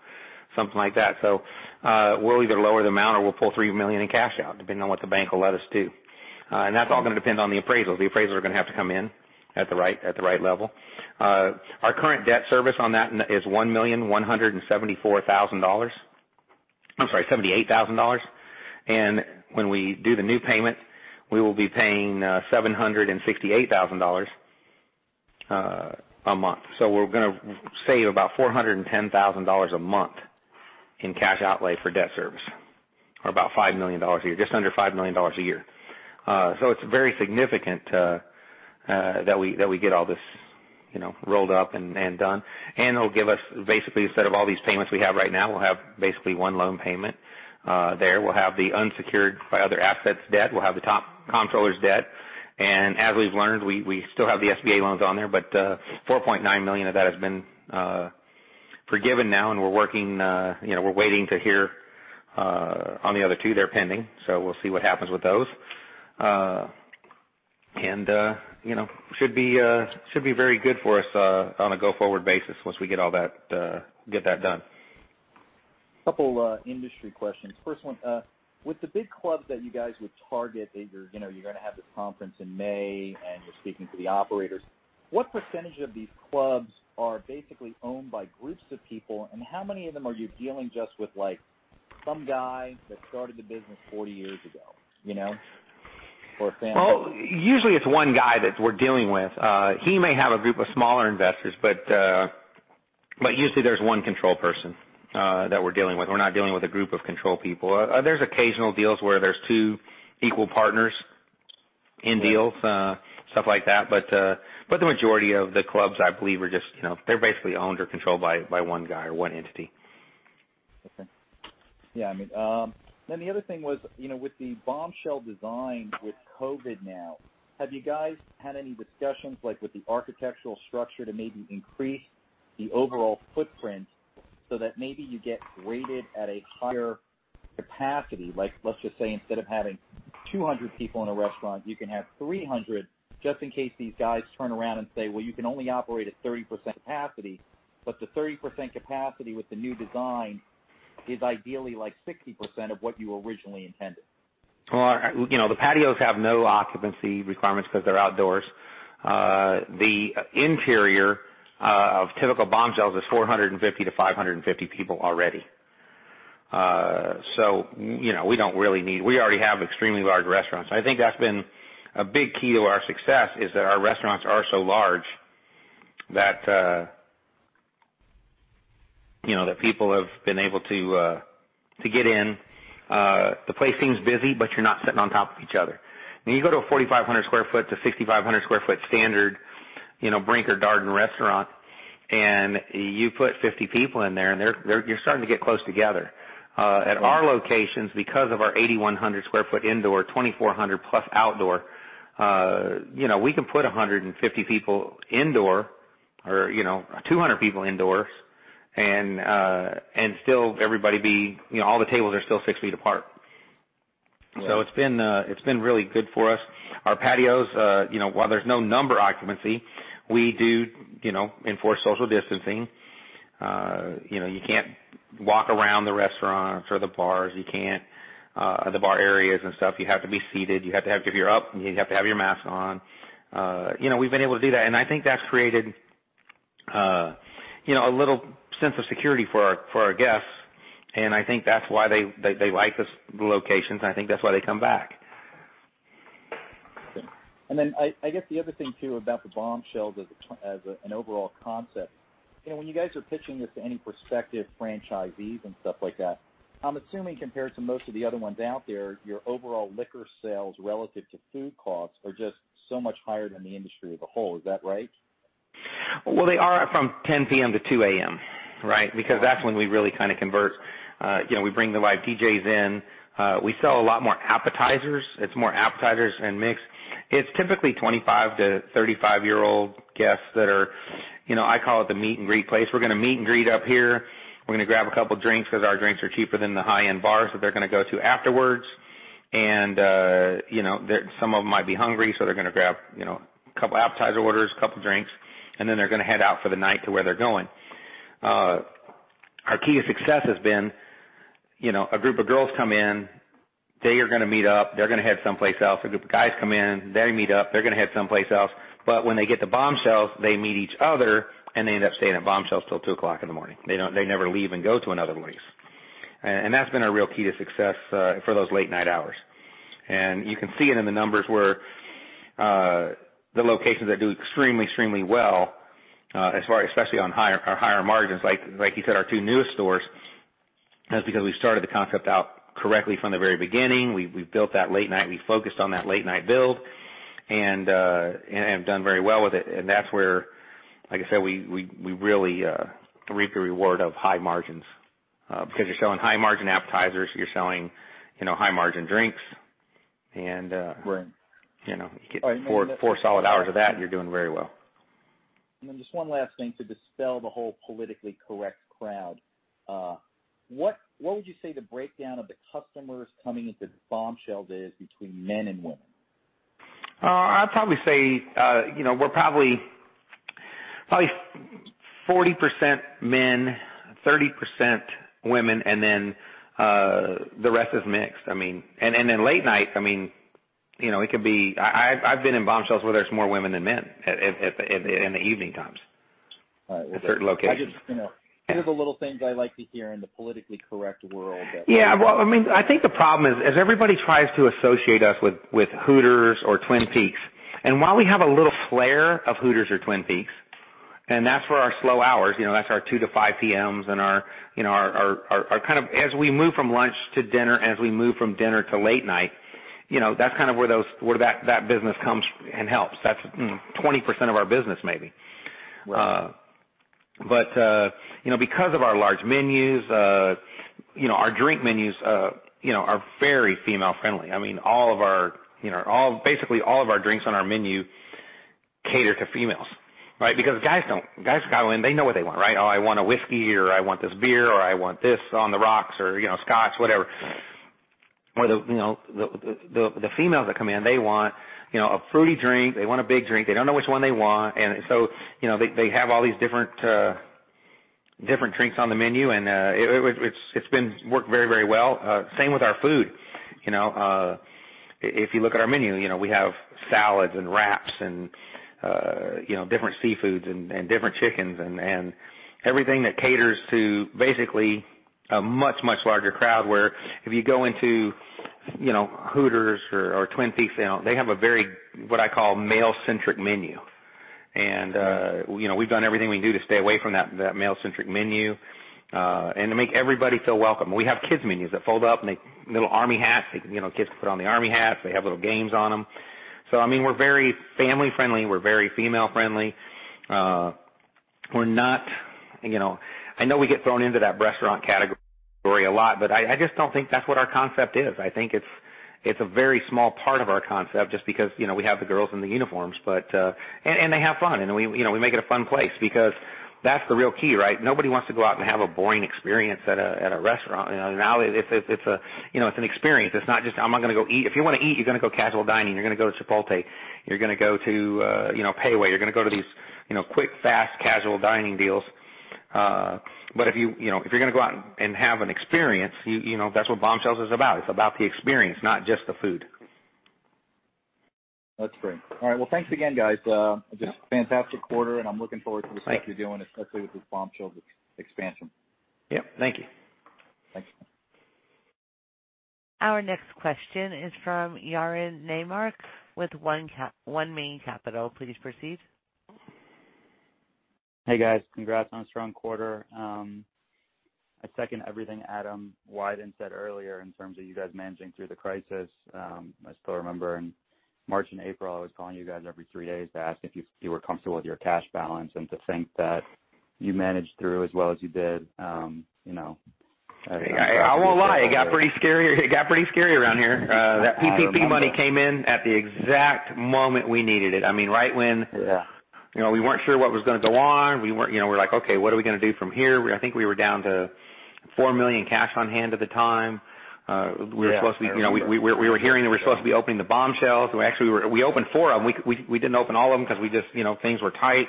something like that. We'll either lower the amount or we'll pull $3 million in cash out, depending on what the bank will let us do. That's all going to depend on the appraisal. The appraisals are going to have to come in at the right level. Our current debt service on that is $1,174,000. I'm sorry, $78,000. When we do the new payment, we will be paying $768,000 a month. We're going to save about $410,000 a month in cash outlay for debt service, or about $5 million a year, just under $5 million a year. It's very significant that we get all this rolled up and done, and it'll give us basically, instead of all these payments we have right now, we'll have basically one loan payment there. We'll have the unsecured by other assets debt. We'll have the Texas Comptroller's debt. As we've learned, we still have the SBA loans on there, but $4.9 million of that has been forgiven now, and we're waiting to hear on the other two. They're pending. We'll see what happens with those. Should be very good for us on a go-forward basis once we get that done. A couple industry questions. First one, with the big clubs that you guys would target, you're going to have this conference in May and you're speaking to the operators. What percentage of these clubs are basically owned by groups of people, and how many of them are you dealing just with, like, some guy that started the business 40 years ago, you know, or a family? Usually it's one guy that we're dealing with. He may have a group of smaller investors, but usually there's one control person that we're dealing with. We're not dealing with a group of control people. There's occasional deals where there's two equal partners in deals, stuff like that. The majority of the clubs, I believe, they're basically owned or controlled by one guy or one entity. Okay. Yeah. The other thing was with the Bombshell design with COVID now, have you guys had any discussions, like with the architectural structure to maybe increase the overall footprint so that maybe you get rated at a higher capacity? Like let's just say instead of having 200 people in a restaurant, you can have 300 just in case these guys turn around and say, "Well, you can only operate at 30% capacity," but the 30% capacity with the new design is ideally like 60% of what you originally intended. The patios have no occupancy requirements because they're outdoors. The interior of typical Bombshells is 450-550 people already. We already have extremely large restaurants. I think that's been a big key to our success is that our restaurants are so large that people have been able to get in. The place seems busy, but you're not sitting on top of each other. When you go to a 4,500 sq ft-6,500 sq ft standard Brinker, Darden restaurant and you put 50 people in there, you're starting to get close together. At our locations, because of our 8,100 sq ft indoor, 2,400+ sq ft outdoor, we can put 150 people indoor or 200 people indoors and all the tables are still six feet apart. It's been really good for us. Our patios, while there's no number occupancy, we do enforce social distancing. You can't walk around the restaurants or the bars. You can't, the bar areas and stuff, you have to be seated. If you're up, you have to have your mask on. We've been able to do that, and I think that's created a little sense of security for our guests, and I think that's why they like the locations, and I think that's why they come back. I guess the other thing too about the Bombshells as an overall concept, when you guys are pitching this to any prospective franchisees and stuff like that, I'm assuming compared to most of the other ones out there, your overall liquor sales relative to food costs are just so much higher than the industry as a whole. Is that right? Well, they are from 10:00 P.M. to 2:00 A.M., right? That's when we really convert. We bring the live DJs in. We sell a lot more appetizers. It's more appetizers and mixed. It's typically 25-35 year-old guests that are, I call it the meet and greet place. We're going to meet and greet up here. We're going to grab a couple drinks because our drinks are cheaper than the high-end bars that they're going to go to afterwards. Some of them might be hungry, so they're going to grab a couple appetizer orders, couple drinks, and then they're going to head out for the night to where they're going. Our key to success has been, a group of girls come in, they are going to meet up, they're going to head someplace else. A group of guys come in, they meet up, they're going to head someplace else. When they get to Bombshells, they meet each other, and they end up staying at Bombshells till 2:00 A.M. They never leave and go to another place. That's been our real key to success for those late-night hours. You can see it in the numbers where the locations that do extremely well, especially on higher margins, like you said, our two newest stores, that's because we started the concept out correctly from the very beginning. We built that late night, we focused on that late night build, and have done very well with it. That's where, like I said, we really reap the reward of high margins. Because you're selling high margin appetizers, you're selling high margin drinks. Right four solid hours of that, you're doing very well. Just one last thing to dispel the whole politically correct crowd. What would you say the breakdown of the customers coming into Bombshells is between men and women? I'd probably say, we're probably 40% men, 30% women, and then the rest is mixed. Late night, it could be I've been in Bombshells where there's more women than men in the evening times. All right. At certain locations. Those are the little things I like to hear in the politically correct world. Yeah. Well, I think the problem is, everybody tries to associate us with Hooters or Twin Peaks. While we have a little flair of Hooters or Twin Peaks, and that's where our slow hours, that's our 2:00 P.M. to 5:00 P.M.s and our kind of, as we move from lunch to dinner and as we move from dinner to late night, that's kind of where that business comes and helps. That's 20% of our business maybe. Right. Because of our large menus, our drink menus are very female friendly. Basically all of our drinks on our menu cater to females, right? Because guys go in, they know what they want, right? "Oh, I want a whiskey," or, "I want this beer," or, "I want this on the rocks," or scotch, whatever. The females that come in, they want a fruity drink. They want a big drink. They don't know which one they want. They have all these different drinks on the menu, and it's been working very well. Same with our food. If you look at our menu, we have salads and wraps and different seafoods and different chickens and everything that caters to basically a much, much larger crowd, where if you go into Hooters or Twin Peaks, they have a very, what I call male-centric menu. We've done everything we can do to stay away from that male-centric menu, and to make everybody feel welcome. We have kids menus that fold up, and they little army hats. Kids can put on the army hats. They have little games on them. We're very family friendly. We're very female friendly. I know we get thrown into that restaurant category a lot, but I just don't think that's what our concept is. I think it's a very small part of our concept just because we have the girls in the uniforms, but, and they have fun, and we make it a fun place because that's the real key, right? Nobody wants to go out and have a boring experience at a restaurant. Now it's an experience. It's not just, "I'm going to go eat." If you want to eat, you're going to go casual dining, you're going to go to Chipotle. You're going to go to Pei Wei. You're going to go to these quick, fast casual dining deals. If you're going to go out and have an experience, that's what Bombshells is about. It's about the experience, not just the food. That's great. All right. Well, thanks again, guys. Yeah. Just fantastic quarter. Thank you. what you're doing, especially with this Bombshells expansion. Yep. Thank you. Thanks. Our next question is from Yaron Naymark with 1 Main Capital. Please proceed. Hey, guys. Congrats on a strong quarter. I second everything Adam Wyden said earlier in terms of you guys managing through the crisis. I still remember in March and April, I was calling you guys every three days to ask if you were comfortable with your cash balance and to think that you managed through as well as you did. I congratulate you. I won't lie, it got pretty scary around here. That PPP money came in at the exact moment we needed it. Yeah We weren't sure what was going to go on. We're like, "Okay, what are we going to do from here?" I think we were down to $4 million cash on hand at the time. Yeah. We were hearing that we were supposed to be opening the Bombshells. We opened four of them. We didn't open all of them because things were tight.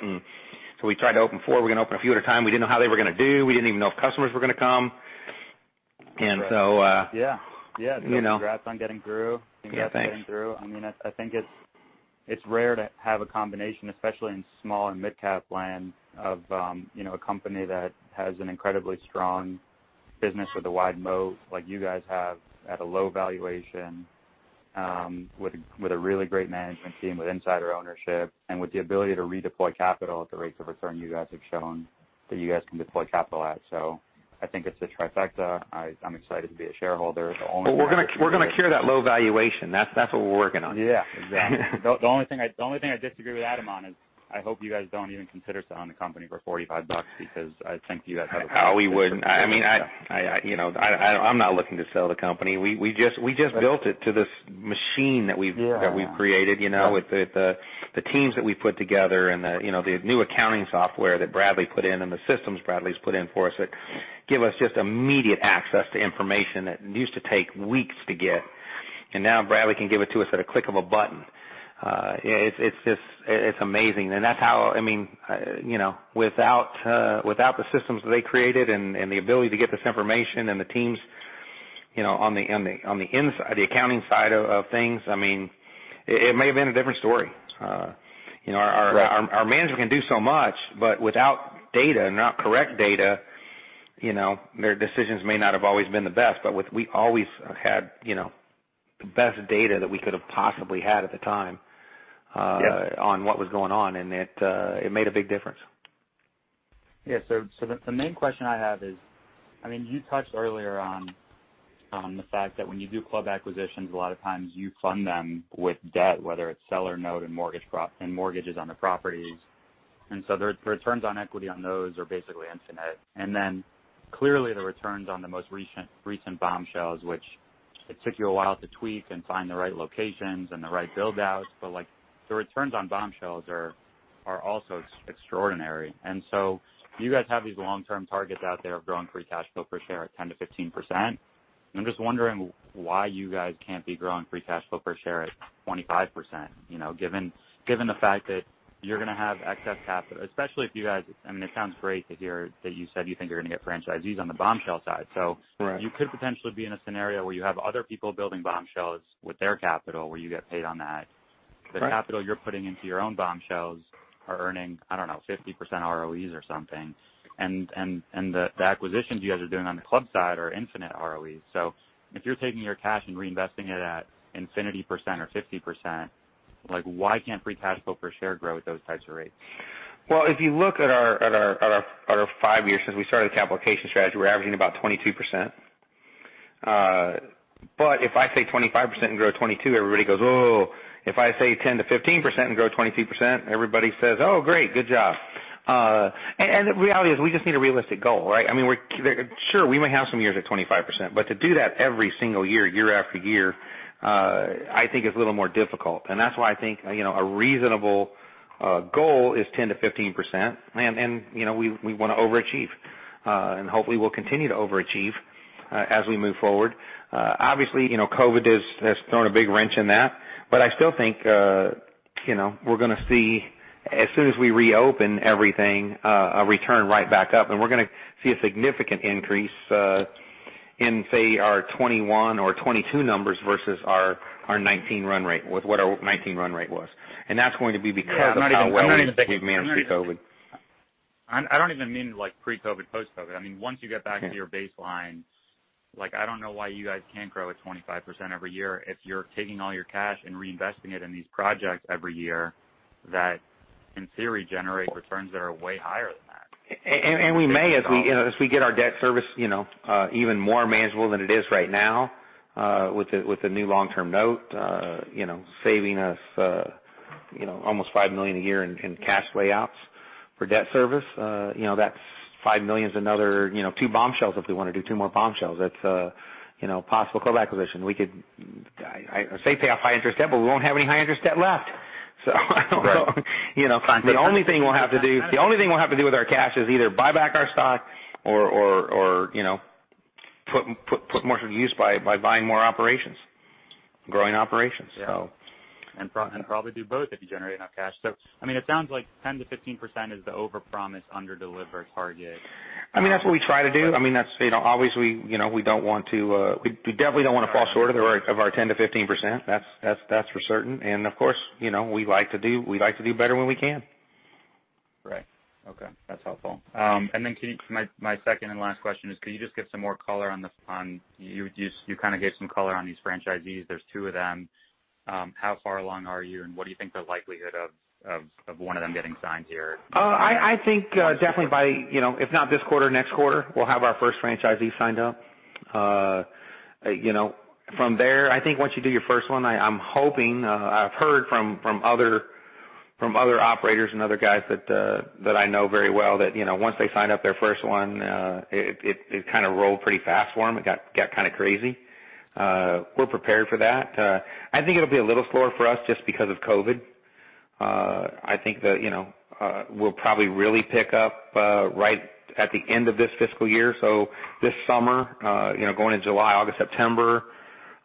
We tried to open four. We're going to open a few at a time. We didn't know how they were going to do. We didn't even know if customers were going to come. Right. Yeah. You know? Congrats on getting through. Yeah, thanks. Congrats on getting through. I think it's rare to have a combination, especially in small and mid-cap land of a company that has an incredibly strong business with a wide moat, like you guys have, at a low valuation, with a really great management team, with insider ownership, and with the ability to redeploy capital at the rates of return you guys have shown that you guys can deploy capital at. I think it's a trifecta. I'm excited to be a shareholder. Well, we're going to cure that low valuation. That's what we're working on. Yeah, exactly. The only thing I disagree with Adam on is I hope you guys don't even consider selling the company for $45, because I think you guys have. We wouldn't. I'm not looking to sell the company. We just built it to this machine. Yeah that we've created, with the teams that we've put together and the new accounting software that Bradley put in and the systems Bradley's put in for us that give us just immediate access to information that used to take weeks to get, and now Bradley can give it to us at a click of a button. It's amazing. Without the systems that they created and the ability to get this information and the teams on the accounting side of things, it may have been a different story. Right. Our management can do so much, without data, and not correct data, their decisions may not have always been the best. We always had the best data that we could've possibly had at the time. Yeah on what was going on, and it made a big difference. The main question I have is, you touched earlier on the fact that when you do club acquisitions, a lot of times you fund them with debt, whether it's seller note and mortgages on the properties. The returns on equity on those are basically infinite. Clearly the returns on the most recent Bombshells, which it took you a while to tweak and find the right locations and the right build-outs, but the returns on Bombshells are also extraordinary. You guys have these long-term targets out there of growing free cash flow per share at 10%-15%, and I'm just wondering why you guys can't be growing free cash flow per share at 25%, given the fact that you're going to have excess capital. It sounds great to hear that you said you think you're going to get franchisees on the Bombshells side. Right. You could potentially be in a scenario where you have other people building Bombshells with their capital, where you get paid on that. Right. The capital you're putting into your own Bombshells are earning, I don't know, 50% ROEs or something. The acquisitions you guys are doing on the club side are infinite ROEs. If you're taking your cash and reinvesting it at infinity % or 50%, why can't free cash flow per share grow at those types of rates? Well, if you look at our five years since we started the capital allocation strategy, we're averaging about 22%. If I say 25% and grow 22%, everybody goes, "Oh." If I say 10%-15% and grow 22%, everybody says, "Oh great, good job." The reality is we just need a realistic goal, right? Sure, we may have some years at 25%, but to do that every single year after year, I think is a little more difficult. That's why I think a reasonable goal is 10%-15%. We want to overachieve, and hopefully we'll continue to overachieve as we move forward. Obviously, COVID has thrown a big wrench in that, but I still think we're going to see, as soon as we reopen everything, a return right back up, and we're going to see a significant increase in, say, our 2021 or 2022 numbers versus what our 2019 run rate was. That's going to be because of how well we've managed through COVID. I don't even mean pre-COVID, post-COVID. Once you get back to your baseline, I don't know why you guys can't grow at 25% every year if you're taking all your cash and reinvesting it in these projects every year, that, in theory, generate returns that are way higher than that. We may, as we get our debt service even more manageable than it is right now, with the new long-term note, saving us almost $5 million a year in cash layouts for debt service. That $5 million's another two Bombshells, if we want to do two more Bombshells. That's a possible club acquisition. We could, I say, pay off high interest debt, but we won't have any high interest debt left. Right. The only thing we'll have to do with our cash is either buy back our stock or put more to use by buying more operations, growing operations. Yeah. Probably do both if you generate enough cash. It sounds like 10%-15% is the overpromise, underdeliver target. That's what we try to do. Obviously, we definitely don't want to fall short of our 10%-15%. That's for certain. Of course, we like to do better when we can. Right. Okay. That's helpful. My second and last question is, could you just give some more color on, you kind of gave some color on these franchisees. There's two of them. How far along are you, and what do you think the likelihood of one of them getting signed here? I think definitely by, if not this quarter, next quarter, we'll have our first franchisee signed up. I think once you do your first one, I'm hoping, I've heard from other operators and other guys that I know very well, that once they signed up their first one, it kind of rolled pretty fast for them. It got kind of crazy. We're prepared for that. I think it'll be a little slower for us just because of COVID. I think that we'll probably really pick up right at the end of this fiscal year, so this summer, going into July, August, September,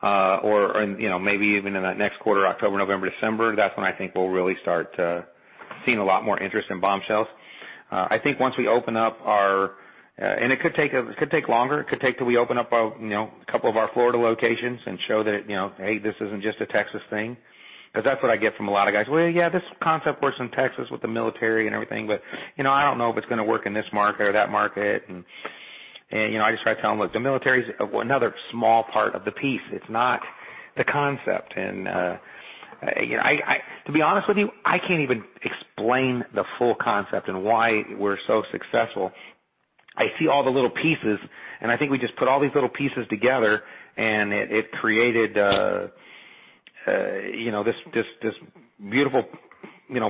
or maybe even in that next quarter, October, November, December. That's when I think we'll really start seeing a lot more interest in Bombshells. It could take longer. It could take till we open up a couple of our Florida locations and show that, "Hey, this isn't just a Texas thing." That's what I get from a lot of guys. "Well, yeah, this concept works in Texas with the military and everything, but I don't know if it's going to work in this market or that market." I just try to tell them, "Look, the military's another small part of the piece. It's not the concept." To be honest with you, I can't even explain the full concept and why we're so successful. I see all the little pieces, and I think we just put all these little pieces together, and it created this beautiful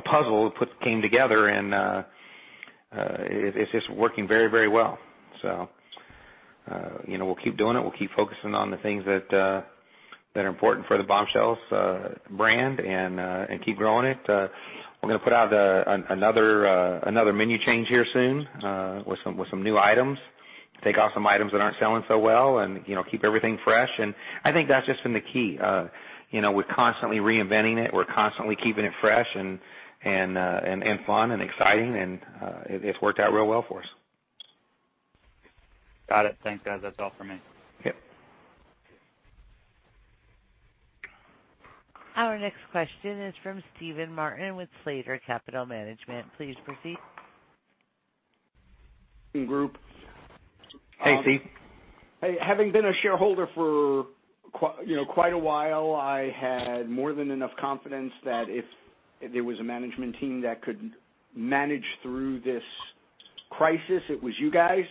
puzzle that came together, and it's just working very well. We'll keep doing it. We'll keep focusing on the things that are important for the Bombshells brand and keep growing it. We're going to put out another menu change here soon with some new items. Take off some items that aren't selling so well and keep everything fresh. I think that's just been the key. We're constantly reinventing it. We're constantly keeping it fresh and fun and exciting, and it's worked out real well for us. Got it. Thanks, guys. That's all for me. Yep. Our next question is from Steven Martin with Slater Capital Management. Please proceed. Group. Hey, Steve. Hey. Having been a shareholder for quite a while, I had more than enough confidence that if there was a management team that could manage through this crisis, it was you guys.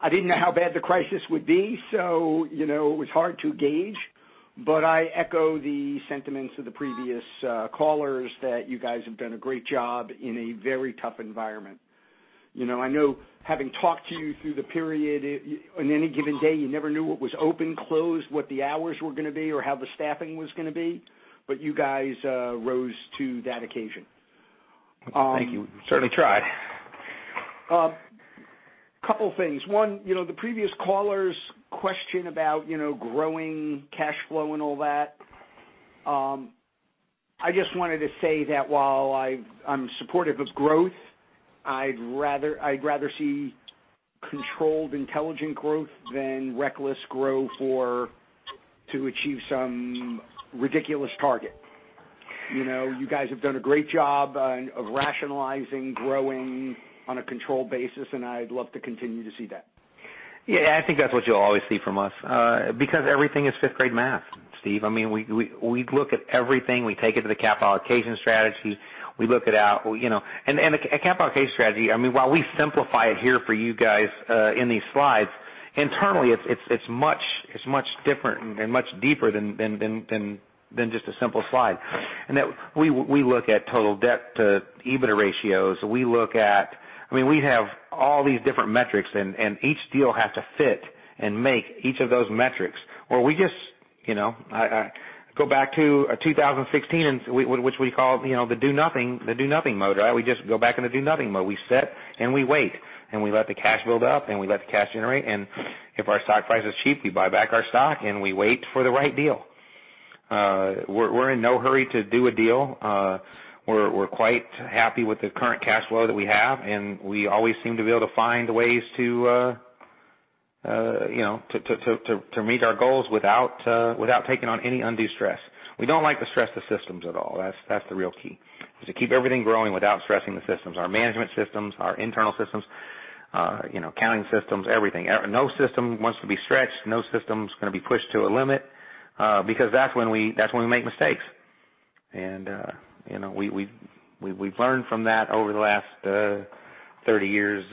I didn't know how bad the crisis would be, so it was hard to gauge. I echo the sentiments of the previous callers that you guys have done a great job in a very tough environment. I know having talked to you through the period, on any given day, you never knew what was open, closed, what the hours were going to be, or how the staffing was going to be, but you guys rose to that occasion. Thank you. Certainly tried. Couple things. One, the previous caller's question about growing cash flow and all that. I just wanted to say that while I'm supportive of growth, I'd rather see controlled, intelligent growth than reckless growth to achieve some ridiculous target. You guys have done a great job of rationalizing, growing on a controlled basis, and I'd love to continue to see that. Yeah, I think that's what you'll always see from us, because everything is fifth-grade math, Steve. We look at everything. We take it to the capital allocation strategy. We look it out. A capital allocation strategy, while we simplify it here for you guys in these slides, internally, it's much different and much deeper than just a simple slide. That we look at total debt to EBITDA ratios. We have all these different metrics, and each deal has to fit and make each of those metrics. I go back to 2016, which we call the "do nothing" mode. We just go back in the do nothing mode. We sit and we wait, and we let the cash build up, and we let the cash generate. If our stock price is cheap, we buy back our stock, and we wait for the right deal. We're in no hurry to do a deal. We're quite happy with the current cash flow that we have, and we always seem to be able to find ways to meet our goals without taking on any undue stress. We don't like to stress the systems at all. That's the real key, is to keep everything growing without stressing the systems, our management systems, our internal systems, accounting systems, everything. No system wants to be stretched. No system's going to be pushed to a limit, because that's when we make mistakes. We've learned from that over the last 30 years,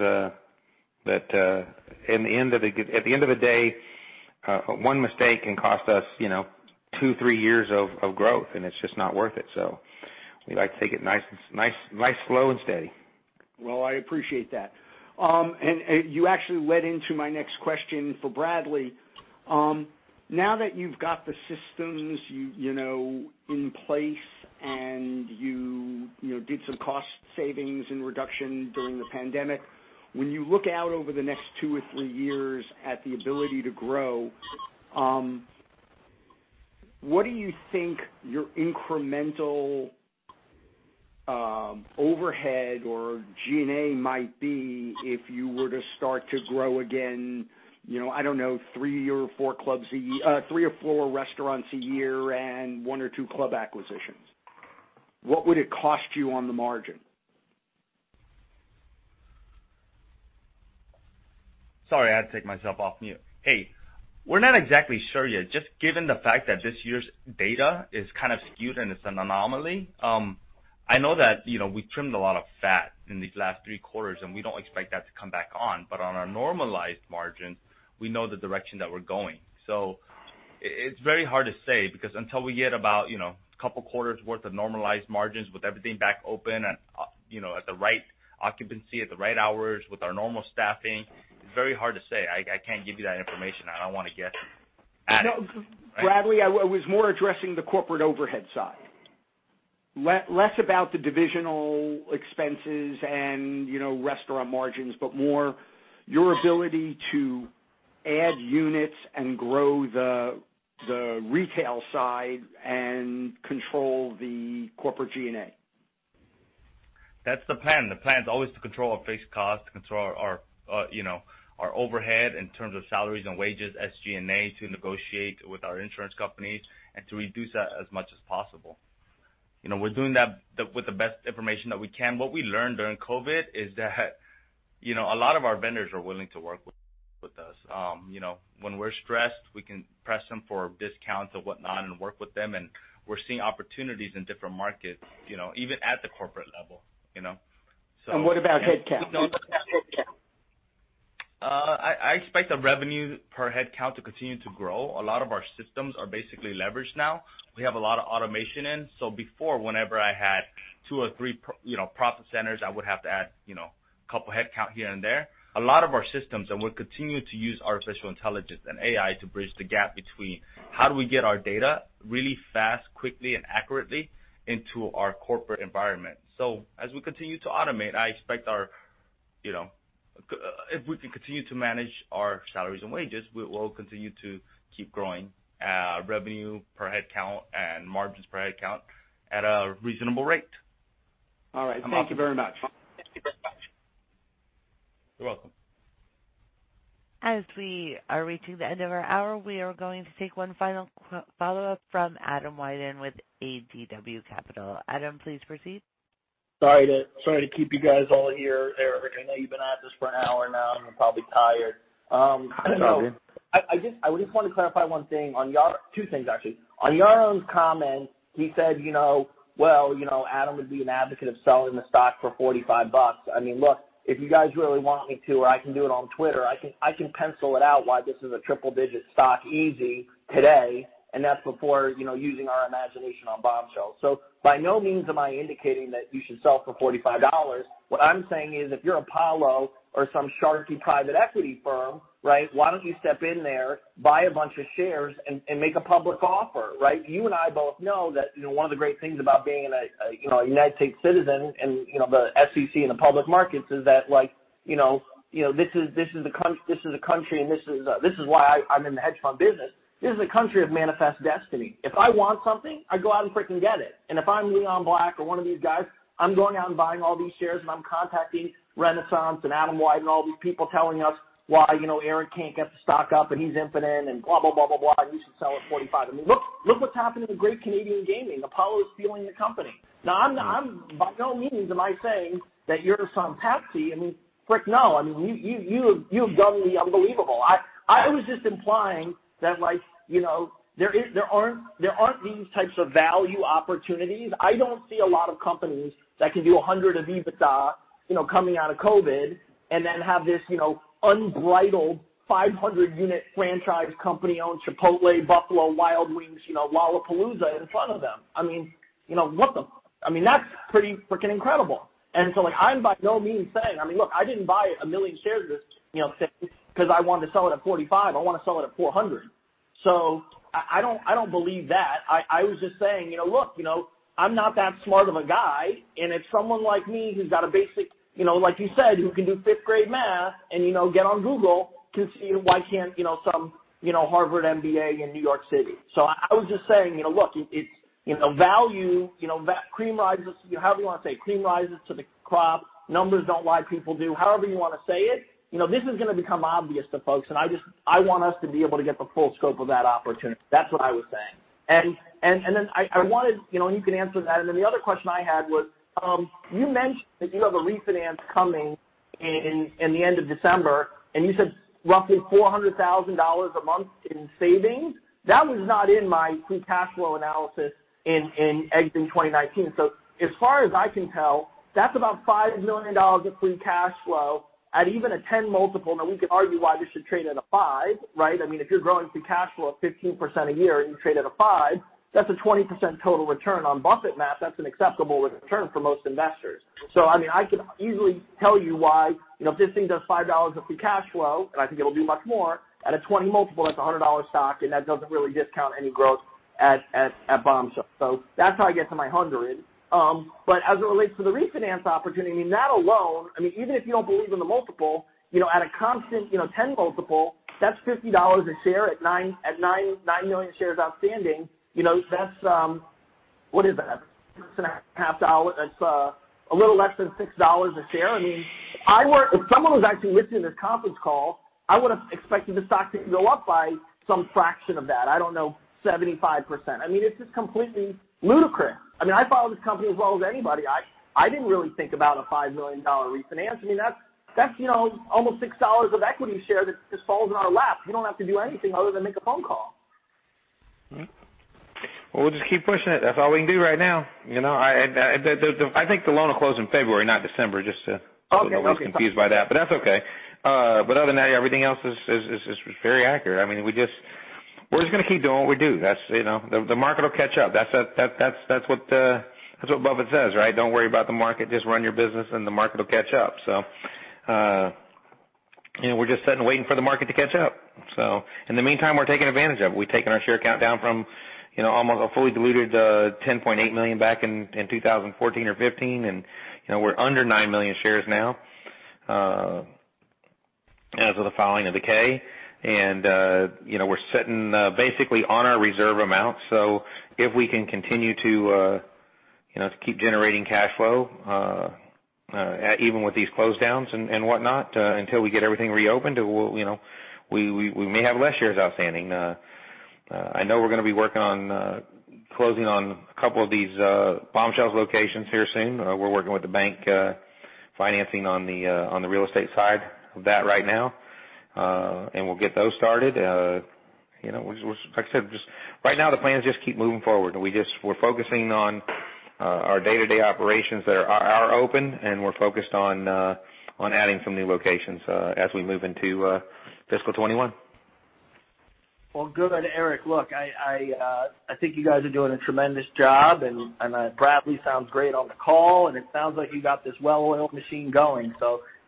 that at the end of the day, one mistake can cost us two, three years of growth, and it's just not worth it. We like to take it nice, slow, and steady. Well, I appreciate that. You actually led into my next question for Bradley. Now that you've got the systems in place and you did some cost savings and reduction during the pandemic, when you look out over the next two or three years at the ability to grow, what do you think your incremental overhead or G&A might be if you were to start to grow again, I don't know, three or four restaurants a year and one or two club acquisitions? What would it cost you on the margin? Sorry, I had to take myself off mute. Hey, we're not exactly sure yet, just given the fact that this year's data is kind of skewed, and it's an anomaly. I know that we trimmed a lot of fat in these last three quarters, and we don't expect that to come back on. On our normalized margins, we know the direction that we're going. It's very hard to say, because until we get about a couple quarters worth of normalized margins with everything back open and at the right occupancy, at the right hours with our normal staffing, it's very hard to say. I can't give you that information, and I don't want to guess. No, Bradley, I was more addressing the corporate overhead side. Less about the divisional expenses and restaurant margins, but more your ability to add units and grow the retail side and control the corporate G&A. That's the plan. The plan's always to control our fixed cost, to control our overhead in terms of salaries and wages, SG&A, to negotiate with our insurance companies, and to reduce that as much as possible. We're doing that with the best information that we can. What we learned during COVID-19 is that a lot of our vendors are willing to work with us. When we're stressed, we can press them for discounts or whatnot and work with them, and we're seeing opportunities in different markets, even at the corporate level. What about headcount? I expect the revenue per headcount to continue to grow. A lot of our systems are basically leveraged now. We have a lot of automation in. Before, whenever I had two or three profit centers, I would have to add a couple of headcount here and there. A lot of our systems, and we're continuing to use artificial intelligence and AI to bridge the gap between how do we get our data really fast, quickly, and accurately into our corporate environment. As we continue to automate, if we can continue to manage our salaries and wages, we will continue to keep growing our revenue per headcount and margins per headcount at a reasonable rate. All right. Thank you very much. You're welcome. As we are reaching the end of our hour, we are going to take one final follow-up from Adam Wyden with ADW Capital. Adam, please proceed. Sorry to keep you guys all here, Eric. I know you've been at this for an hour now and you're probably tired. It's all good. I just want to clarify one thing on Yaron, two things, actually. On Yaron's comment, he said, "Well, Adam would be an advocate of selling the stock for $45." Look, if you guys really want me to, or I can do it on Twitter, I can pencil it out why this is a triple-digit stock easy today, and that's before using our imagination on Bombshells. By no means am I indicating that you should sell for $45. What I'm saying is, if you're Apollo or some sharky private equity firm, why don't you step in there, buy a bunch of shares, and make a public offer, right. You and I both know that one of the great things about being a U.S. citizen and the SEC and the public markets is that this is a country, and this is why I'm in the hedge fund business. This is a country of manifest destiny. If I want something, I go out and freaking get it. If I'm Leon Black or one of these guys, I'm going out and buying all these shares, and I'm contacting Renaissance and Adam Wyden, all these people telling us why Eric can't get the stock up and he's infinite and blah, blah, blah, and you should sell at 45. Look what's happening to Great Canadian Gaming. Apollo is stealing the company. By no means am I saying that you're some patsy. Frick no. You have done the unbelievable. I was just implying that there aren't these types of value opportunities. I don't see a lot of companies that can do $100 of EBITDA coming out of COVID and then have this unbridled 500-unit franchise, company-owned Chipotle, Buffalo Wild Wings, Lollapalooza in front of them. That's pretty freaking incredible. I'm by no means saying Look, I didn't buy 1 million shares of this because I wanted to sell it at 45. I want to sell it at 400. I don't believe that. I was just saying, look, I'm not that smart of a guy, and if someone like me who's got a basic, like you said, who can do fifth-grade math and get on Google can see, why can't some Harvard MBA in New York City? I was just saying, look, value, cream rises, however you want to say it, cream rises to the top. Numbers don't lie, people do. However you want to say it, this is going to become obvious to folks, and I want us to be able to get the full scope of that opportunity. That's what I was saying. You can answer that, and then the other question I had was, you mentioned that you have a refinance coming in the end of December, and you said roughly $400,000 a month in savings. That was not in my free cash flow analysis in exiting 2019. As far as I can tell, that's about $5 million of free cash flow at even a 10x. Now, we could argue why this should trade at a five, right? If you're growing free cash flow of 15% a year and you trade at a five, that's a 20% total return. On Buffett math, that's an acceptable return for most investors. I could easily tell you why if this thing does $5 of free cash flow, and I think it'll do much more, at a 20x, that's a $100 stock, and that doesn't really discount any growth at Bombshell. That's how I get to my 100. As it relates to the refinance opportunity, that alone, even if you don't believe in the multiple, at a constant 10x, that's $50 a share. At 9 million shares outstanding, that's what is that? A little less than $6 a share. If someone was actually listening to this conference call, I would have expected the stock to go up by some fraction of that, I don't know, 75%. It's just completely ludicrous. I follow this company as well as anybody. I didn't really think about a $5 million refinance. That's almost $6 of equity share that just falls in our lap. We don't have to do anything other than make a phone call. Well, we'll just keep pushing it. That's all we can do right now. I think the loan will close in February, not December, just to- Okay a little confused by that, but that's okay. Other than that, everything else is very accurate. We're just going to keep doing what we do. The market will catch up. That's what Buffett says, right? Don't worry about the market, just run your business and the market will catch up. We're just sitting, waiting for the market to catch up. In the meantime, we're taking advantage of it. We've taken our share count down from almost a fully diluted 10.8 million back in 2014 or 2015, and we're under nine million shares now as of the filing of the K. We're sitting basically on our reserve amount. If we can continue to keep generating cash flow, even with these close downs and whatnot, until we get everything reopened, we may have less shares outstanding. I know we're going to be working on closing on a couple of these Bombshells locations here soon. We're working with the bank financing on the real estate side of that right now, and we'll get those started. Like I said, right now the plan is just keep moving forward, and we're focusing on our day-to-day operations that are open, and we're focused on adding some new locations as we move into fiscal 2021. Well, good. Eric, look, I think you guys are doing a tremendous job, and Bradley sounds great on the call, and it sounds like you got this well-oiled machine going.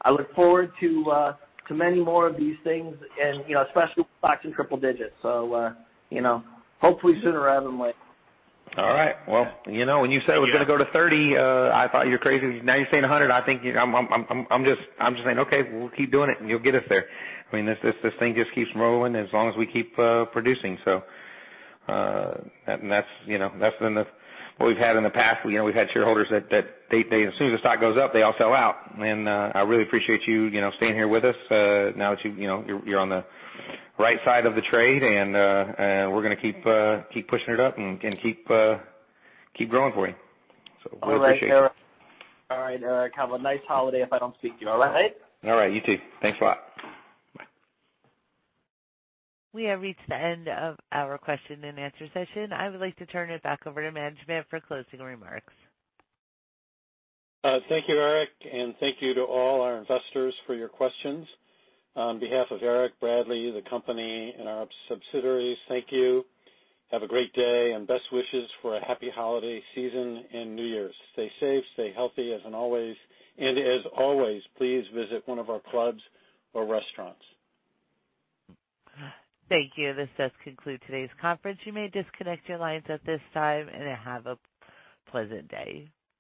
I look forward to many more of these things and especially stocks in triple digits. Hopefully sooner rather than later. All right. Well, when you said it was going to go to 30, I thought you were crazy. Now you're saying 100, I'm just saying, "Okay, we'll keep doing it, and you'll get us there." This thing just keeps rolling as long as we keep producing. That's been what we've had in the past. We've had shareholders that as soon as the stock goes up, they all sell out. I really appreciate you staying here with us now that you're on the right side of the trade, and we're going to keep pushing it up and keep growing for you. We appreciate it. All right, Eric. Have a nice holiday if I don't speak to you, all right? All right, you too. Thanks a lot. Bye. We have reached the end of our Q&A session. I would like to turn it back over to management for closing remarks. Thank you, Eric, and thank you to all our investors for your questions. On behalf of Eric, Bradley, the company, and our subsidiaries, thank you. Have a great day, and best wishes for a happy holiday season and New Year's. Stay safe, stay healthy, and as always, please visit one of our clubs or restaurants. Thank you. This does conclude today's conference. You may disconnect your lines at this time, and have a pleasant day.